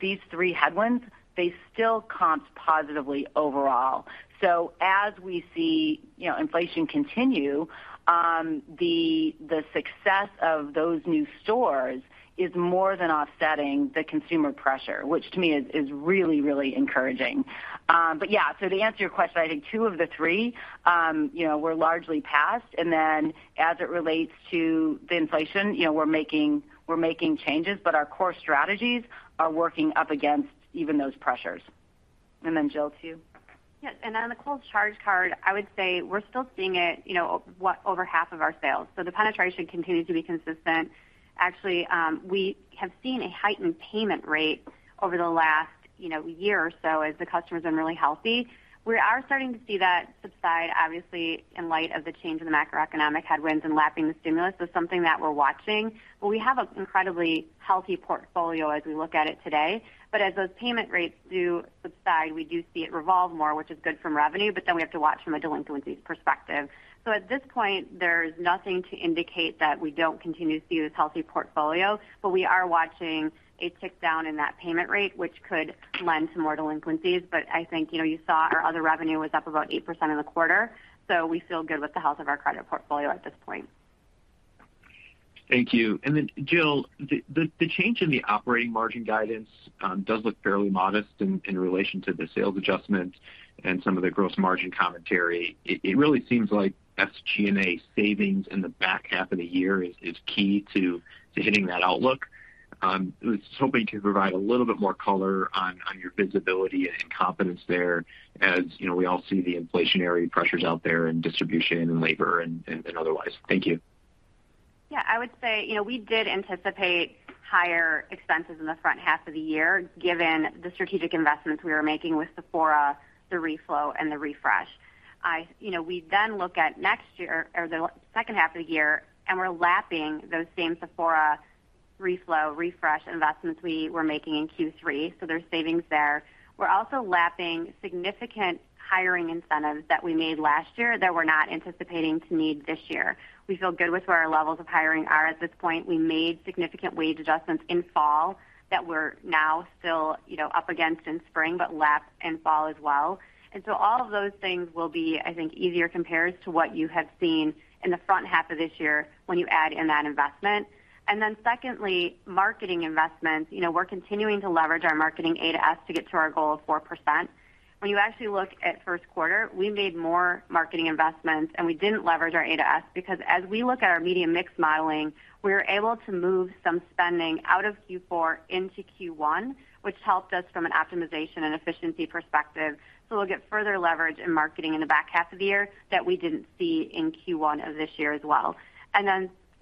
these 3threeheadwinds, they still comped positively overall. As we see, you know, inflation continue, the success of those new stores is more than offsetting the consumer pressure, which to me is really encouraging. Yeah. To answer your question, I think two of the three, you know, were largely passed. As it relates to the inflation, you know, we're making changes, but our core strategies are working up against even those pressures. Jill, to you. Yes. On the Kohl's Card, I would say we're still seeing it, you know, what, over half of our sales. The penetration continues to be consistent. Actually, we have seen a heightened payment rate over the last, you know, year or so as the customer's been really healthy. We are starting to see that subside, obviously, in light of the change in the macroeconomic headwinds and lapping the stimulus. Something that we're watching. We have an incredibly healthy portfolio as we look at it today. As those payment rates do subside, we do see it revolve more, which is good from revenue, but then we have to watch from a delinquencies perspective. At this point, there's nothing to indicate that we don't continue to see this healthy portfolio, but we are watching a tick down in that payment rate, which could lend to more delinquencies. I think, you know, you saw our other revenue was up about 8% in the quarter. We feel good with the health of our credit portfolio at this point. Thank you. Jill, the change in the operating margin guidance does look fairly modest in relation to the sales adjustment and some of the gross margin commentary. It really seems like SG&A savings in the back half of the year is key to hitting that outlook. I was hoping to provide a little bit more color on your visibility and confidence there. As you know, we all see the inflationary pressures out there in distribution and labor and otherwise. Thank you. Yeah, I would say, you know, we did anticipate higher expenses in the front half of the year, given the strategic investments we were making with Sephora, the rollout, and the refresh. You know, we then look at next year or the second half of the year, and we're lapping those same Sephora rollout, refresh investments we were making in Q3. So there's savings there. We're also lapping significant hiring incentives that we made last year that we're not anticipating to need this year. We feel good with where our levels of hiring are at this point. We made significant wage adjustments in fall that we're now still, you know, up against in spring, but lapped in fall as well. All of those things will be, I think, easier comps to what you have seen in the front half of this year when you add in that investment. Secondly, marketing investments. You know, we're continuing to leverage our marketing uncertain to get to our goal of 4%. When you actually look at first quarter, we made more marketing investments, and we didn't leverage our A-S because as we look at our media mix modeling, we're able to move some spending out of Q4 into Q1, which helped us from an optimization and efficiency perspective. We'll get further leverage in marketing in the back half of the year that we didn't see in Q1 of this year as well.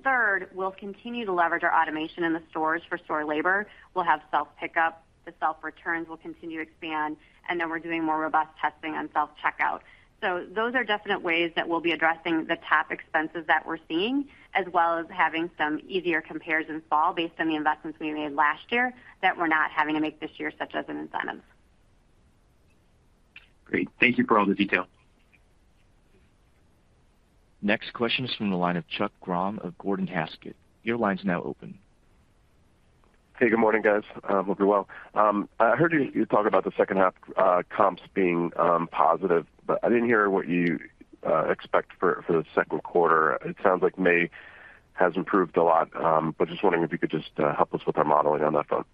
Third, we'll continue to leverage our automation in the stores for store labor. We'll have self-pickup. The self-returns will continue to expand. Then we're doing more robust testing on self-checkout. Those are definite ways that we'll be addressing the top expenses that we're seeing, as well as having some easier compares in fall based on the investments we made last year that we're not having to make this year, such as in incentives. Great. Thank you for all the detail. Next question is from the line of Chuck Grom of Gordon Haskett. Your line's now open. Hey, good morning, guys. Hope you're well. I heard you talk about the second half comps being positive, but I didn't hear what you expect for the second quarter. It sounds like May has improved a lot, but just wondering if you could just help us with our modeling on that front.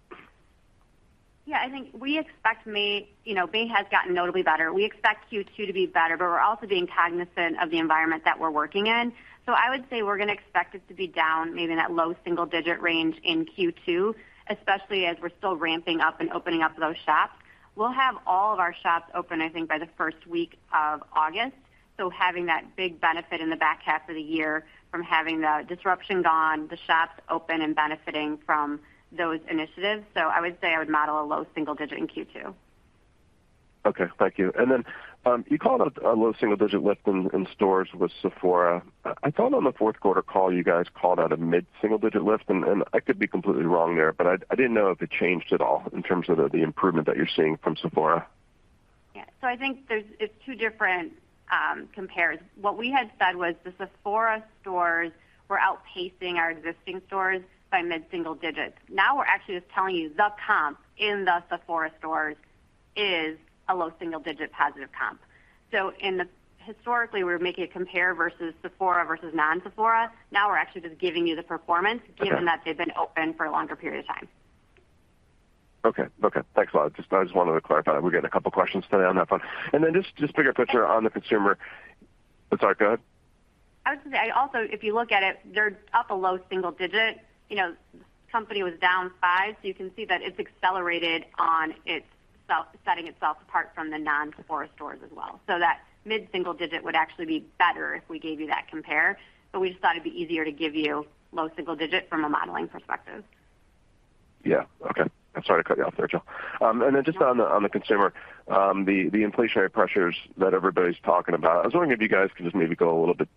Yeah, I think we expect May. You know, May has gotten notably better. We expect Q2 to be better, but we're also being cognizant of the environment that we're working in. I would say we're gonna expect it to be down maybe in that low single digit range in Q2, especially as we're still ramping up and opening up those shops. We'll have all of our shops open, I think, by the first week of August. Having that big benefit in the back half of the year from having the disruption gone, the shops open and benefiting from those initiatives. I would say I would model a low single digit in Q2. Okay, thank you. You called out a low single digit lift in stores with Sephora. I thought on the fourth quarter call, you guys called out a mid-single digit lift. I could be completely wrong there, but I didn't know if it changed at all in terms of the improvement that you're seeing from Sephora. I think it's two different compares. What we had said was the Sephora stores were outpacing our existing stores by mid-single digits. Now we're actually just telling you the comp in the Sephora stores is a low single digit positive comp. Historically, we were making a compare versus Sephora versus non-Sephora. Now we're actually just giving you the performance. Okay. Given that they've been open for a longer period of time. Okay. Thanks a lot. Just, I just wanted to clarify. We get a couple questions today on that front. Just bigger picture on the consumer. I'm sorry, go ahead. I was gonna say, also, if you look at it, they're up a low-single-digit. You know, company was down 5%, so you can see that it's accelerated, setting itself apart from the non-Sephora stores as well. That mid-single-digit would actually be better if we gave you that comp. But we just thought it'd be easier to give you low-single-digit from a modeling perspective. Yeah. Okay. I'm sorry to cut you off there, Jill. Just on the consumer, the inflationary pressures that everybody's talking about, I was wondering if you guys could just maybe go a little bit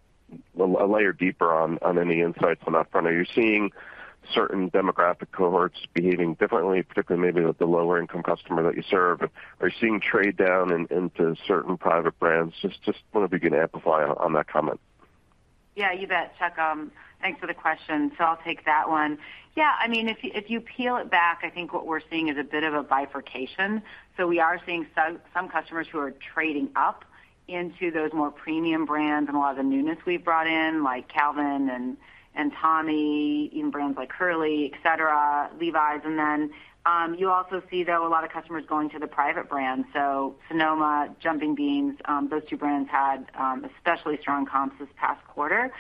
a layer deeper on any insights on that front. Are you seeing certain demographic cohorts behaving differently, particularly maybe with the lower income customer that you serve? Are you seeing trade down into certain private brands? Just wonder if you can amplify on that comment. Yeah, you bet, Chuck. Thanks for the question. I'll take that one. Yeah, I mean, if you peel it back, I think what we're seeing is a bit of a bifurcation. We are seeing some customers who are trading up into those more premium brands and a lot of the newness we've brought in, like Calvin and Tommy, even brands like Hurley, et cetera, Levi's. You also see, though, a lot of customers going to the private brand. Sonoma, Jumping Beans, those two brands had especially strong comps this past quarter.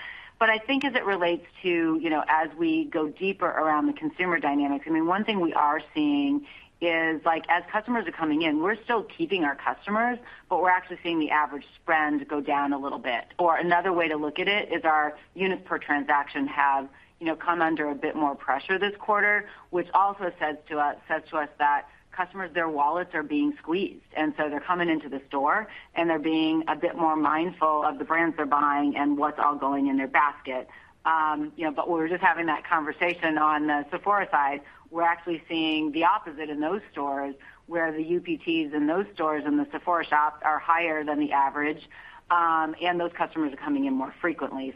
I think as it relates to, you know, as we go deeper around the consumer dynamics, I mean, one thing we are seeing is, like, as customers are coming in, we're still keeping our customers, but we're actually seeing the average spend go down a little bit. Or another way to look at it is our units per transaction have, you know, come under a bit more pressure this quarter, which also says to us that customers, their wallets are being squeezed, and so they're coming into the store, and they're being a bit more mindful of the brands they're buying and what's all going in their basket. You know, we were just having that conversation on the Sephora side. We're actually seeing the opposite in those stores, where the UPTs in those stores, in the Sephora shops are higher than the average, and those customers are coming in more frequently.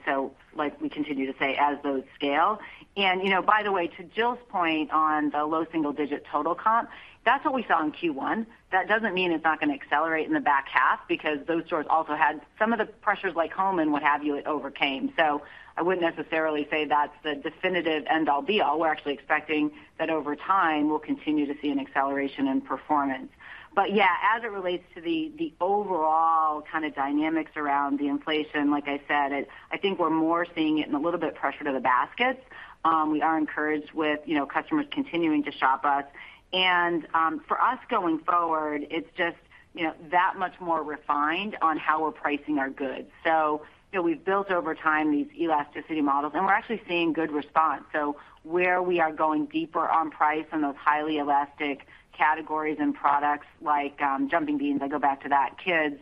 Like we continue to say, as those scale. You know, by the way, to Jill's point on the low single digit total comp, that's what we saw in Q1. That doesn't mean it's not gonna accelerate in the back half because those stores also had some of the pressures like home and what have you, it overcame. I wouldn't necessarily say that's the definitive end-all be-all. We're actually expecting that over time, we'll continue to see an acceleration in performance. Yeah, as it relates to the overall kinda dynamics around the inflation, like I said, I think we're more seeing it in a little bit pressure to the baskets. We are encouraged with, you know, customers continuing to shop us. For us going forward, it's just, you know, that much more refined on how we're pricing our goods. You know, we've built over time these elasticity models, and we're actually seeing good response. Where we are going deeper on price on those highly elastic categories and products like Jumping Beans, I go back to that, kids,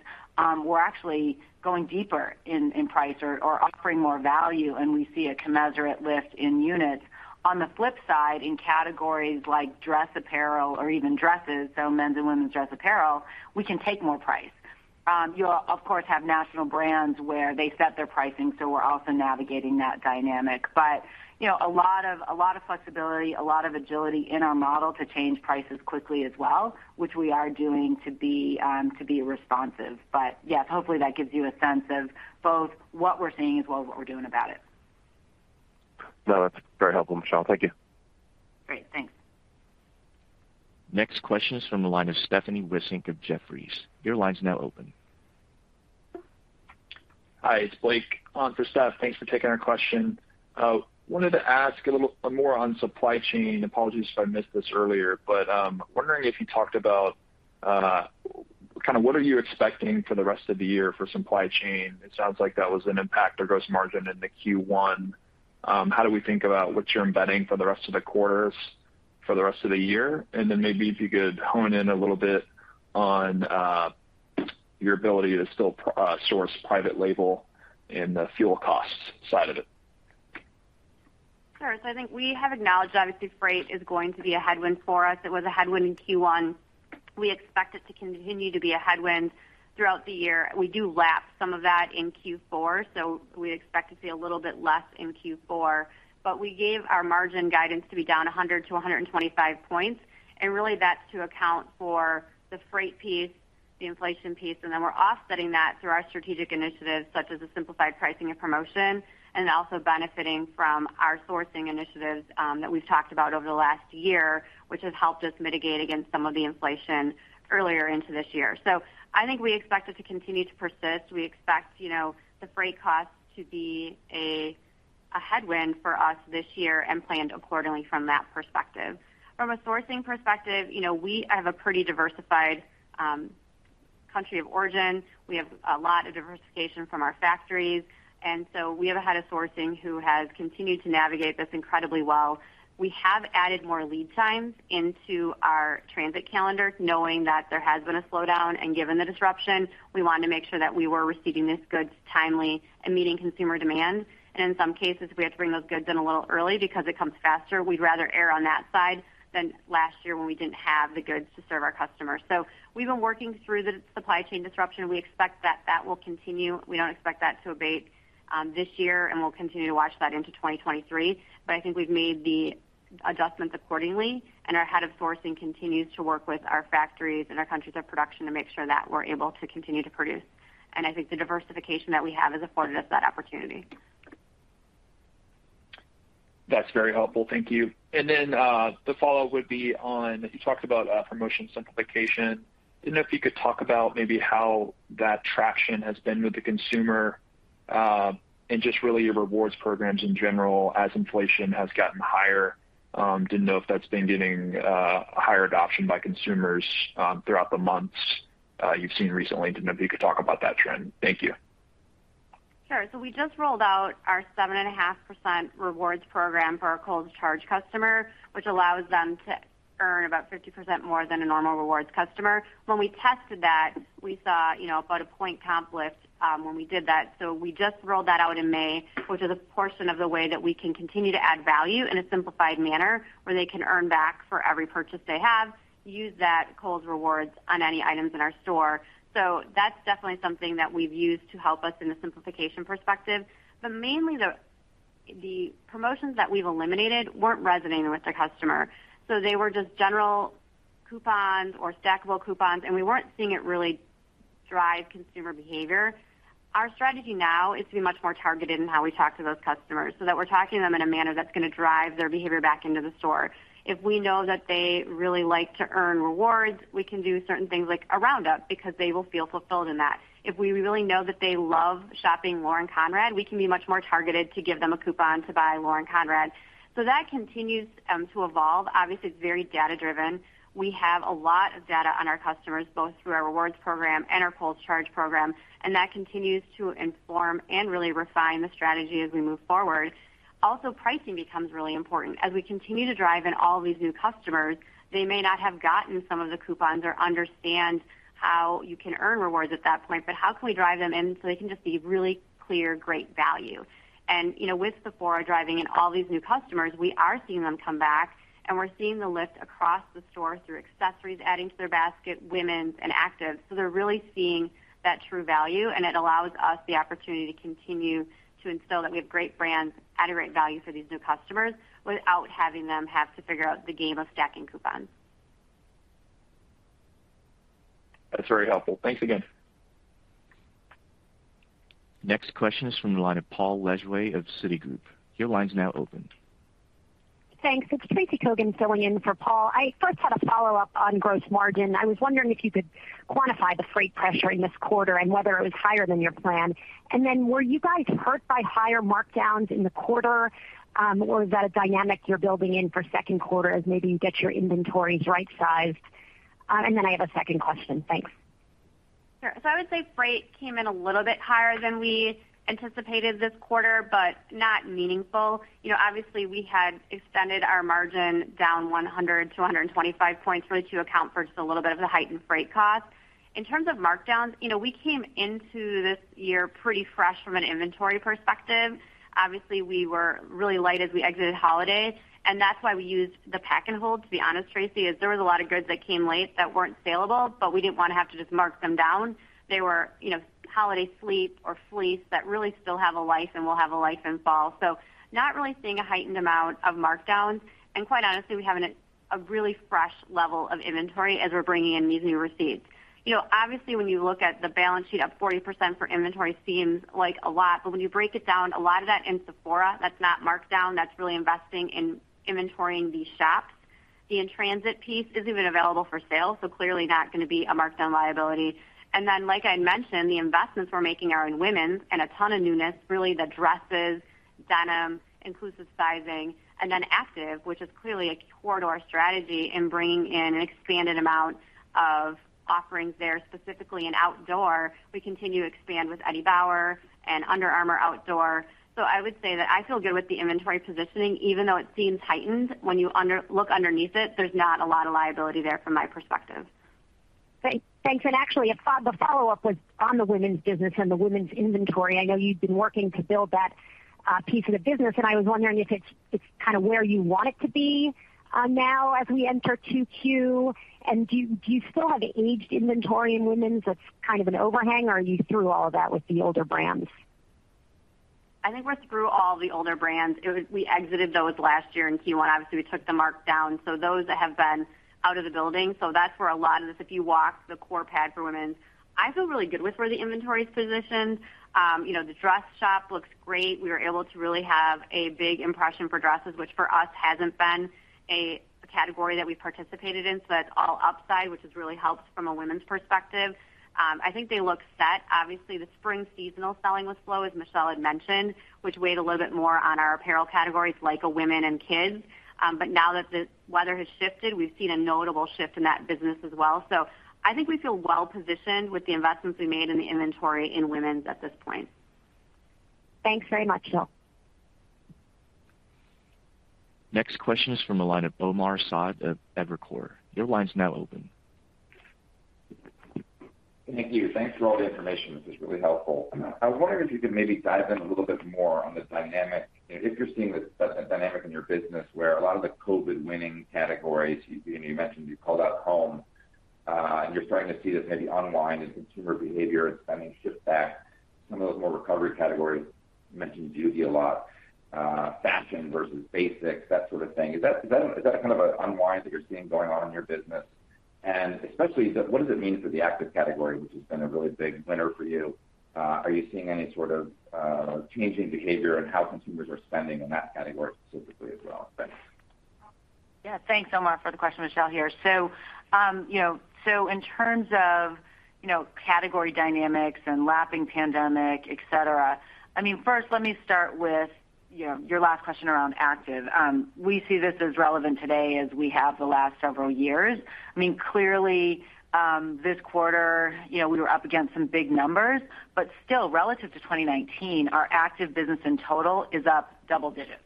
we're actually going deeper in price or offering more value, and we see a commensurate lift in units. On the flip side, in categories like dress apparel or even dresses, so men's and women's dress apparel, we can take more price. You'll of course have national brands where they set their pricing, so we're also navigating that dynamic. You know, a lot of flexibility, a lot of agility in our model to change prices quickly as well, which we are doing to be responsive. Yes, hopefully that gives you a sense of both what we're seeing as well as what we're doing about it. No, that's very helpful, Michelle. Thank you. Great. Thanks. Next question is from the line of Stephanie Wissink of Jefferies. Your line is now open. Hi, it's Blake on for Steph. Thanks for taking our question. Wanted to ask a little more on supply chain. Apologies if I missed this earlier, but wondering if you talked about kind of what are you expecting for the rest of the year for supply chain? It sounds like that was an impact to gross margin in the Q1. How do we think about what you're embedding for the rest of the quarters for the rest of the year? Then maybe if you could hone in a little bit on your ability to still source private label and the fuel costs side of it. Sure. I think we have acknowledged, obviously, freight is going to be a headwind for us. It was a headwind in Q1. We expect it to continue to be a headwind throughout the year. We do lap some of that in Q4, so we expect to see a little bit less in Q4. We gave our margin guidance to be down 100-125 points. Really that's to account for the freight piece, the inflation piece, and then we're offsetting that through our strategic initiatives such as the simplified pricing and promotion, and also benefiting from our sourcing initiatives, that we've talked about over the last year, which has helped us mitigate against some of the inflation earlier into this year. I think we expect it to continue to persist. We expect, you know, the freight costs to be a headwind for us this year and planned accordingly from that perspective. From a sourcing perspective, you know, we have a pretty diversified country of origin. We have a lot of diversification from our factories, and so we have a head of sourcing who has continued to navigate this incredibly well. We have added more lead times into our transit calendar, knowing that there has been a slowdown. Given the disruption, we wanted to make sure that we were receiving these goods timely and meeting consumer demand. In some cases, we had to bring those goods in a little early because it comes faster. We'd rather err on that side than last year when we didn't have the goods to serve our customers. We've been working through the supply chain disruption. We expect that will continue. We don't expect that to abate this year, and we'll continue to watch that into 2023. I think we've made the adjustments accordingly, and our head of sourcing continues to work with our factories and our countries of production to make sure that we're able to continue to produce. I think the diversification that we have has afforded us that opportunity. That's very helpful. Thank you. The follow-up would be on, you talked about, promotion simplification. Didn't know if you could talk about maybe how that traction has been with the consumer, and just really your rewards programs in general as inflation has gotten higher. Didn't know if that's been getting, higher adoption by consumers, throughout the months, you've seen recently. Didn't know if you could talk about that trend. Thank you. Sure. We just rolled out our 7.5% rewards program for our Kohl's Charge customer, which allows them to earn about 50% more than a normal rewards customer. When we tested that, we saw, you know, about a point comp lift, when we did that. We just rolled that out in May, which is a portion of the way that we can continue to add value in a simplified manner where they can earn back for every purchase they have, use that Kohl's Rewards on any items in our store. That's definitely something that we've used to help us in the simplification perspective. Mainly the promotions that we've eliminated weren't resonating with the customer. They were just general coupons or stackable coupons, and we weren't seeing it really drive consumer behavior. Our strategy now is to be much more targeted in how we talk to those customers so that we're talking to them in a manner that's gonna drive their behavior back into the store. If we know that they really like to earn rewards, we can do certain things like a roundup because they will feel fulfilled in that. If we really know that they love shopping Lauren Conrad, we can be much more targeted to give them a coupon to buy Lauren Conrad. That continues to evolve. Obviously, it's very data-driven. We have a lot of data on our customers, both through our rewards program and our Kohl's Charge program, and that continues to inform and really refine the strategy as we move forward. Also, pricing becomes really important. As we continue to drive in all these new customers, they may not have gotten some of the coupons or understand how you can earn rewards at that point, but how can we drive them in so they can just see really clear, great value. You know, with Sephora driving in all these new customers, we are seeing them come back, and we're seeing the lift across the store through accessories adding to their basket, women's and active. They're really seeing that true value, and it allows us the opportunity to continue to instill that we have great brands at a great value for these new customers without having them have to figure out the game of stacking coupons. That's very helpful. Thanks again. Next question is from the line of Paul Lejuez of Citigroup. Your line is now open. Thanks. It's Tracy Kogan filling in for Paul. I first had a follow-up on gross margin. I was wondering if you could quantify the freight pressure in this quarter and whether it was higher than your plan. Were you guys hurt by higher markdowns in the quarter, or is that a dynamic you're building in for second quarter as maybe you get your inventories right-sized? I have a second question. Thanks. Sure. I would say freight came in a little bit higher than we anticipated this quarter, but not meaningful. You know, obviously, we had extended our margin down 100 to 125 points really to account for just a little bit of the heightened freight cost. In terms of markdowns, you know, we came into this year pretty fresh from an inventory perspective. Obviously, we were really light as we exited holiday, and that's why we used the pack and hold, to be honest, Tracy, is there was a lot of goods that came late that weren't salable, but we didn't wanna have to just mark them down. They were, you know, holiday sleep or fleece that really still have a life and will have a life in fall. Not really seeing a heightened amount of markdowns. Quite honestly, we have a really fresh level of inventory as we're bringing in these new receipts. You know, obviously, when you look at the balance sheet, up 40% for inventory seems like a lot. But when you break it down, a lot of that in Sephora, that's not markdown, that's really investing in inventory in these shops. The in-transit piece isn't even available for sale, so clearly not gonna be a markdown liability. Like I mentioned, the investments we're making are in women's and a ton of newness, really the dresses, denim, inclusive sizing, and then active, which is clearly a core to our strategy in bringing in an expanded amount of offerings there, specifically in outdoor. We continue to expand with Eddie Bauer and Under Armour Outdoor. I would say that I feel good with the inventory positioning, even though it seems heightened. When you look underneath it, there's not a lot of liability there from my perspective. Thanks. Actually, the follow-up was on the women's business and the women's inventory. I know you've been working to build that piece of the business, and I was wondering if it's kinda where you want it to be now as we enter 2Q. Do you still have aged inventory in women's that's kind of an overhang, or are you through all that with the older brands? I think we're through all the older brands. We exited those last year in Q1. Obviously, we took the markdown. So those have been out of the building. So that's where a lot of this, if you walk the core pod for women, I feel really good with where the inventory is positioned. You know, the dress shop looks great. We were able to really have a big impression for dresses, which for us hasn't been a category that we participated in. So that's all upside, which has really helped from a women's perspective. I think they look set. Obviously, the spring seasonal selling was slow, as Michelle had mentioned, which weighed a little bit more on our apparel categories like women and kids. Now that the weather has shifted, we've seen a notable shift in that business as well. I think we feel well positioned with the investments we made in the inventory in women's at this point. Thanks very much, Jill. Next question is from the line of Omar Saad of Evercore. Your line's now open. Thank you. Thanks for all the information. This is really helpful. I was wondering if you could maybe dive in a little bit more on the dynamic, if you're seeing a dynamic in your business where a lot of the COVID winning categories, and you mentioned, you called out home, and you're starting to see this maybe unwind in consumer behavior and spending shift back some of those more recovery categories. You mentioned beauty a lot, fashion versus basics, that sort of thing. Is that a kind of unwind that you're seeing going on in your business? And especially, what does it mean for the active category, which has been a really big winner for you? Are you seeing any sort of changing behavior in how consumers are spending in that category specifically as well? Thanks. Yeah. Thanks, Omar, for the question. Michelle here. You know, so in terms of, you know, category dynamics and lapping pandemic, et cetera, I mean, first, let me start with, you know, your last question around active. We see this as relevant today as we have the last several years. I mean, clearly, this quarter, you know, we were up against some big numbers, but still, relative to 2019, our active business in total is up double digits.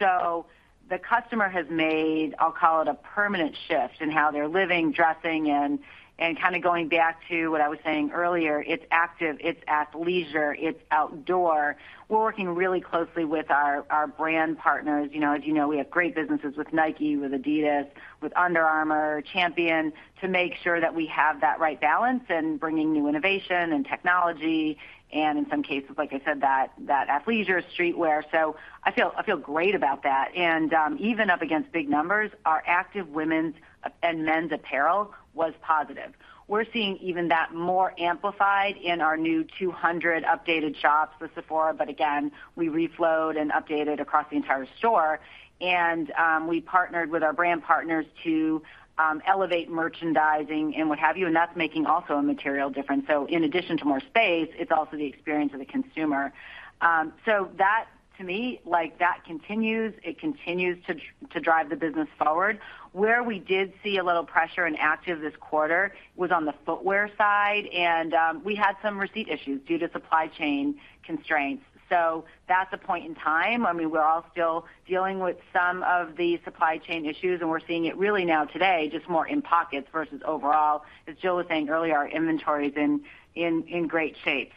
The customer has made, I'll call it, a permanent shift in how they're living, dressing, and kinda going back to what I was saying earlier, it's active, it's athleisure, it's outdoor. We're working really closely with our brand partners. You know, as you know, we have great businesses with Nike, with adidas, with Under Armour, Champion, to make sure that we have that right balance and bringing new innovation and technology, and in some cases, like I said, that athleisure streetwear. I feel great about that. Even up against big numbers, our active women's and men's apparel was positive. We're seeing even that more amplified in our new 200 updated shops with Sephora, but again, we reflowed and updated across the entire store. We partnered with our brand partners to elevate merchandising and what have you, and that's making also a material difference. In addition to more space, it's also the experience of the consumer. That to me, like that continues. It continues to drive the business forward. Where we did see a little pressure in active this quarter was on the footwear side, and we had some receipt issues due to supply chain constraints. That's a point in time. I mean, we're all still dealing with some of the supply chain issues, and we're seeing it really now today, just more in pockets versus overall. As Jill was saying earlier, our inventory is in great shape.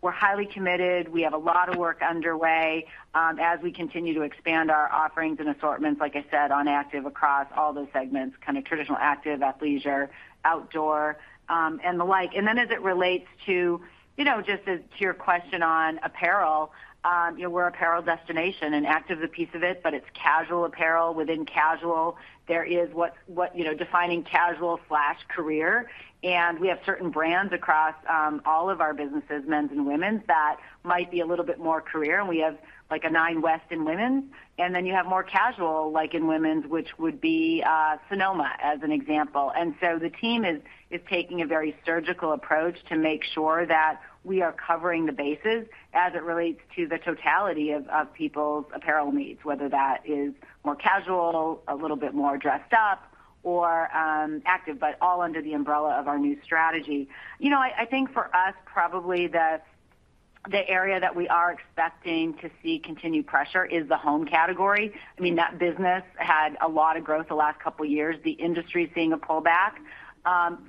We're highly committed. We have a lot of work underway, as we continue to expand our offerings and assortments, like I said, on active across all those segments, kinda traditional active, athleisure, outdoor, and the like. Then as it relates to, you know, just as to your question on apparel, you know, we're an apparel destination, and active is a piece of it, but it's casual apparel. Within casual, there is what. You know, defining casual/career. We have certain brands across all of our businesses, men's and women's, that might be a little bit more career. We have, like, a Nine West in women's. Then you have more casual, like in women's, which would be Sonoma, as an example. The team is taking a very surgical approach to make sure that we are covering the bases as it relates to the totality of people's apparel needs, whether that is more casual, a little bit more dressed up, or active, but all under the umbrella of our new strategy. You know, I think for us, probably the area that we are expecting to see continued pressure is the home category. I mean, that business had a lot of growth the last couple years. The industry is seeing a pullback.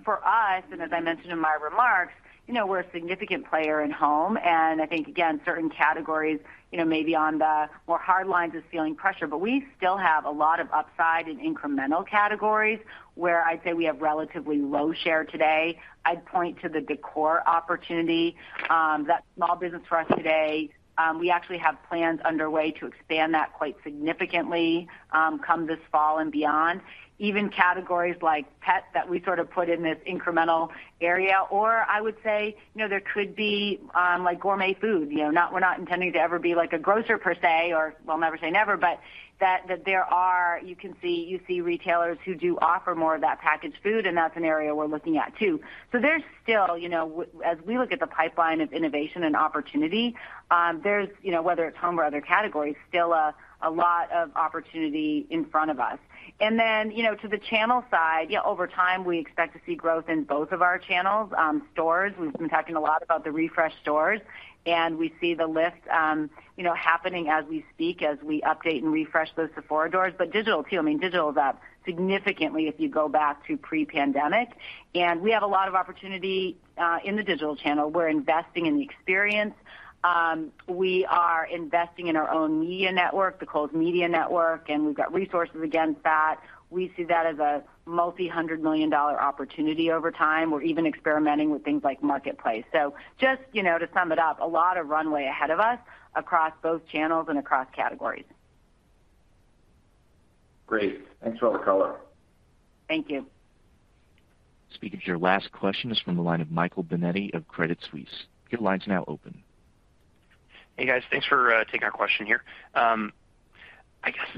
For us, and as I mentioned in my remarks, you know, we're a significant player in home, and I think, again, certain categories, you know, maybe on the more hard lines is feeling pressure. But we still have a lot of upside in incremental categories where I'd say we have relatively low share today. I'd point to the decor opportunity, that small business for us today. We actually have plans underway to expand that quite significantly, come this fall and beyond. Even categories like pet that we sort of put in this incremental area, or I would say, you know, there could be, like gourmet food. You know, we're not intending to ever be like a grocer per se, or, well, never say never, but that there are. You see retailers who do offer more of that packaged food, and that's an area we're looking at too. There's still, you know, as we look at the pipeline of innovation and opportunity, there's, you know, whether it's home or other categories, still a lot of opportunity in front of us. You know, to the channel side, yeah, over time, we expect to see growth in both of our channels. Stores, we've been talking a lot about the refreshed stores, and we see the lift, you know, happening as we speak, as we update and refresh those Sephora doors. Digital too. I mean, digital is up significantly if you go back to pre-pandemic. We have a lot of opportunity in the digital channel. We're investing in the experience. We are investing in our own media network, the Kohl's Media Network, and we've got resources against that. We see that as a multi-hundred million dollar opportunity over time. We're even experimenting with things like Marketplace. Just, you know, to sum it up, a lot of runway ahead of us across both channels and across categories. Great. Thanks for all the color. Thank you. Speaker, your last question is from the line of Michael Binetti of Credit Suisse. Your line's now open. Hey, guys. Thanks for taking our question here. I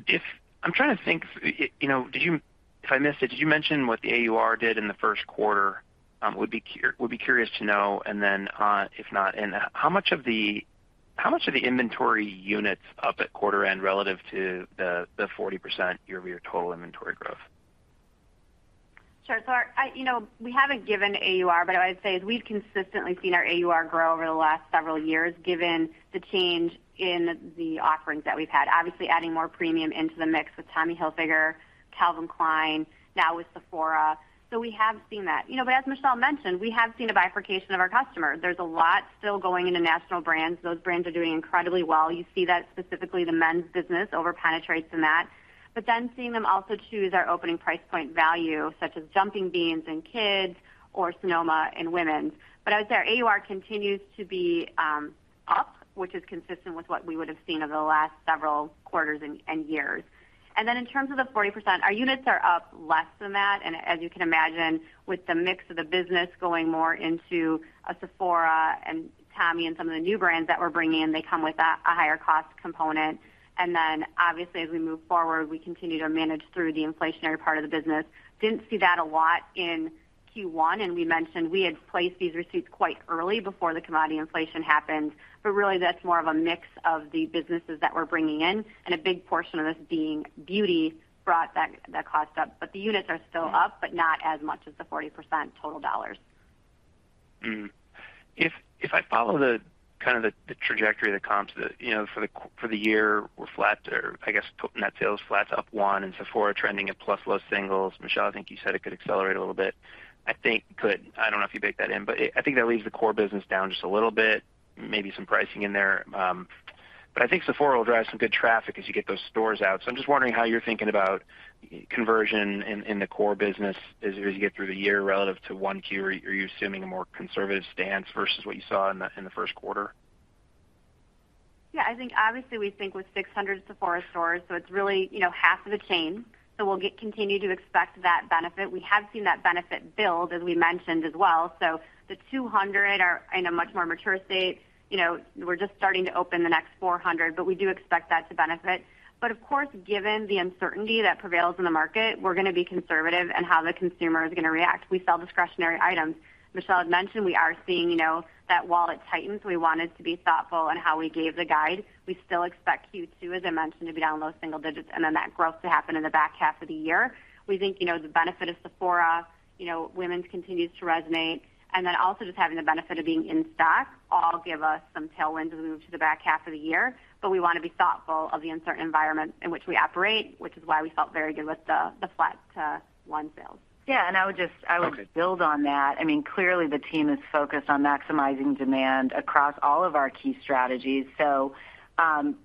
guess I'm trying to think, you know, did you. If I missed it, did you mention what the AUR did in the first quarter? Would be curious to know. Then, if not, how much of the inventory units up at quarter end relative to the 40% year-over-year total inventory growth? Sure. You know, we haven't given AUR, but I would say we've consistently seen our AUR grow over the last several years given the change in the offerings that we've had. Obviously, adding more premium into the mix with Tommy Hilfiger, Calvin Klein, now with Sephora. We have seen that. You know, as Michelle mentioned, we have seen a bifurcation of our customer. There's a lot still going into national brands. Those brands are doing incredibly well. You see that specifically the men's business over penetrates in that. Seeing them also choose our opening price point value, such as Jumping Beans in kids or Sonoma in women. As I said, our AUR continues to be up, which is consistent with what we would have seen over the last several quarters and years. In terms of the 40%, our units are up less than that. As you can imagine, with the mix of the business going more into a Sephora and Tommy and some of the new brands that we're bringing in, they come with a higher cost component. Obviously, as we move forward, we continue to manage through the inflationary part of the business. Didn't see that a lot in Q1, and we mentioned we had placed these receipts quite early before the commodity inflation happened. Really, that's more of a mix of the businesses that we're bringing in, and a big portion of this being beauty brought that cost up. The units are still up, but not as much as the 40% total dollars. If I follow the trajectory of the comps for the year, we're flat or I guess net sales flat up 1% and Sephora trending at plus low single digits. Michelle, I think you said it could accelerate a little bit. I don't know if you baked that in, but I think that leaves the core business down just a little bit, maybe some pricing in there. But I think Sephora will drive some good traffic as you get those stores out. I'm just wondering how you're thinking about conversion in the core business as you get through the year relative to 1Q. Are you assuming a more conservative stance versus what you saw in the first quarter? Yeah, I think obviously we think with 600 Sephora stores, so it's really, you know, half of the chain. We'll continue to expect that benefit. We have seen that benefit build, as we mentioned as well. The 200 are in a much more mature state. You know, we're just starting to open the next 400, but we do expect that to benefit. Of course, given the uncertainty that prevails in the market, we're gonna be conservative in how the consumer is gonna react. We sell discretionary items. Michelle had mentioned we are seeing, you know, that wallet tightens. We wanted to be thoughtful in how we gave the guide. We still expect Q2, as I mentioned, to be down low single digits and then that growth to happen in the back half of the year. We think, you know, the benefit of Sephora, you know, women's continues to resonate, and then also just having the benefit of being in stock all give us some tailwind as we move to the back half of the year. We wanna be thoughtful of the uncertain environment in which we operate, which is why we felt very good with the flat 1% sales. Yeah, I would just Okay. I would build on that. I mean, clearly the team is focused on maximizing demand across all of our key strategies. You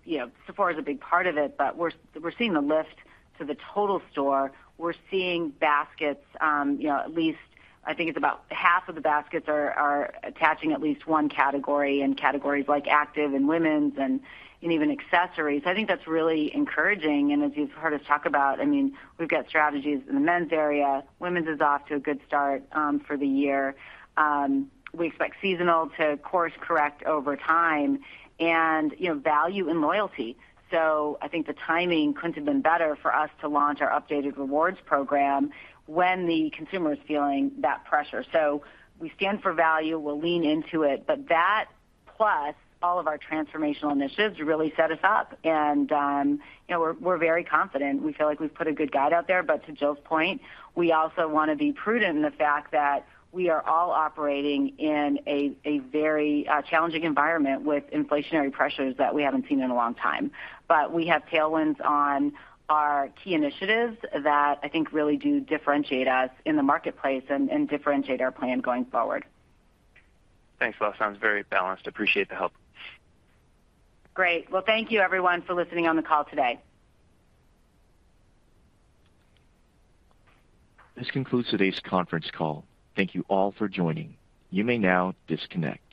know, Sephora is a big part of it, but we're seeing the lift to the total store. We're seeing baskets, you know, at least I think it's about half of the baskets are attaching at least one category in categories like active and women's and even accessories. I think that's really encouraging. As you've heard us talk about, I mean, we've got strategies in the men's area. Women's is off to a good start for the year. We expect seasonal to course correct over time and, you know, value and loyalty. I think the timing couldn't have been better for us to launch our updated rewards program when the consumer is feeling that pressure. We stand for value, we'll lean into it. That plus all of our transformational initiatives really set us up and, you know, we're very confident. We feel like we've put a good guide out there. To Jill's point, we also wanna be prudent in the fact that we are all operating in a very challenging environment with inflationary pressures that we haven't seen in a long time. We have tailwinds on our key initiatives that I think really do differentiate us in the marketplace and differentiate our plan going forward. Thanks. Well, sounds very balanced. Appreciate the help. Great. Well, thank you everyone for listening on the call today. This concludes today's conference call. Thank you all for joining. You may now disconnect.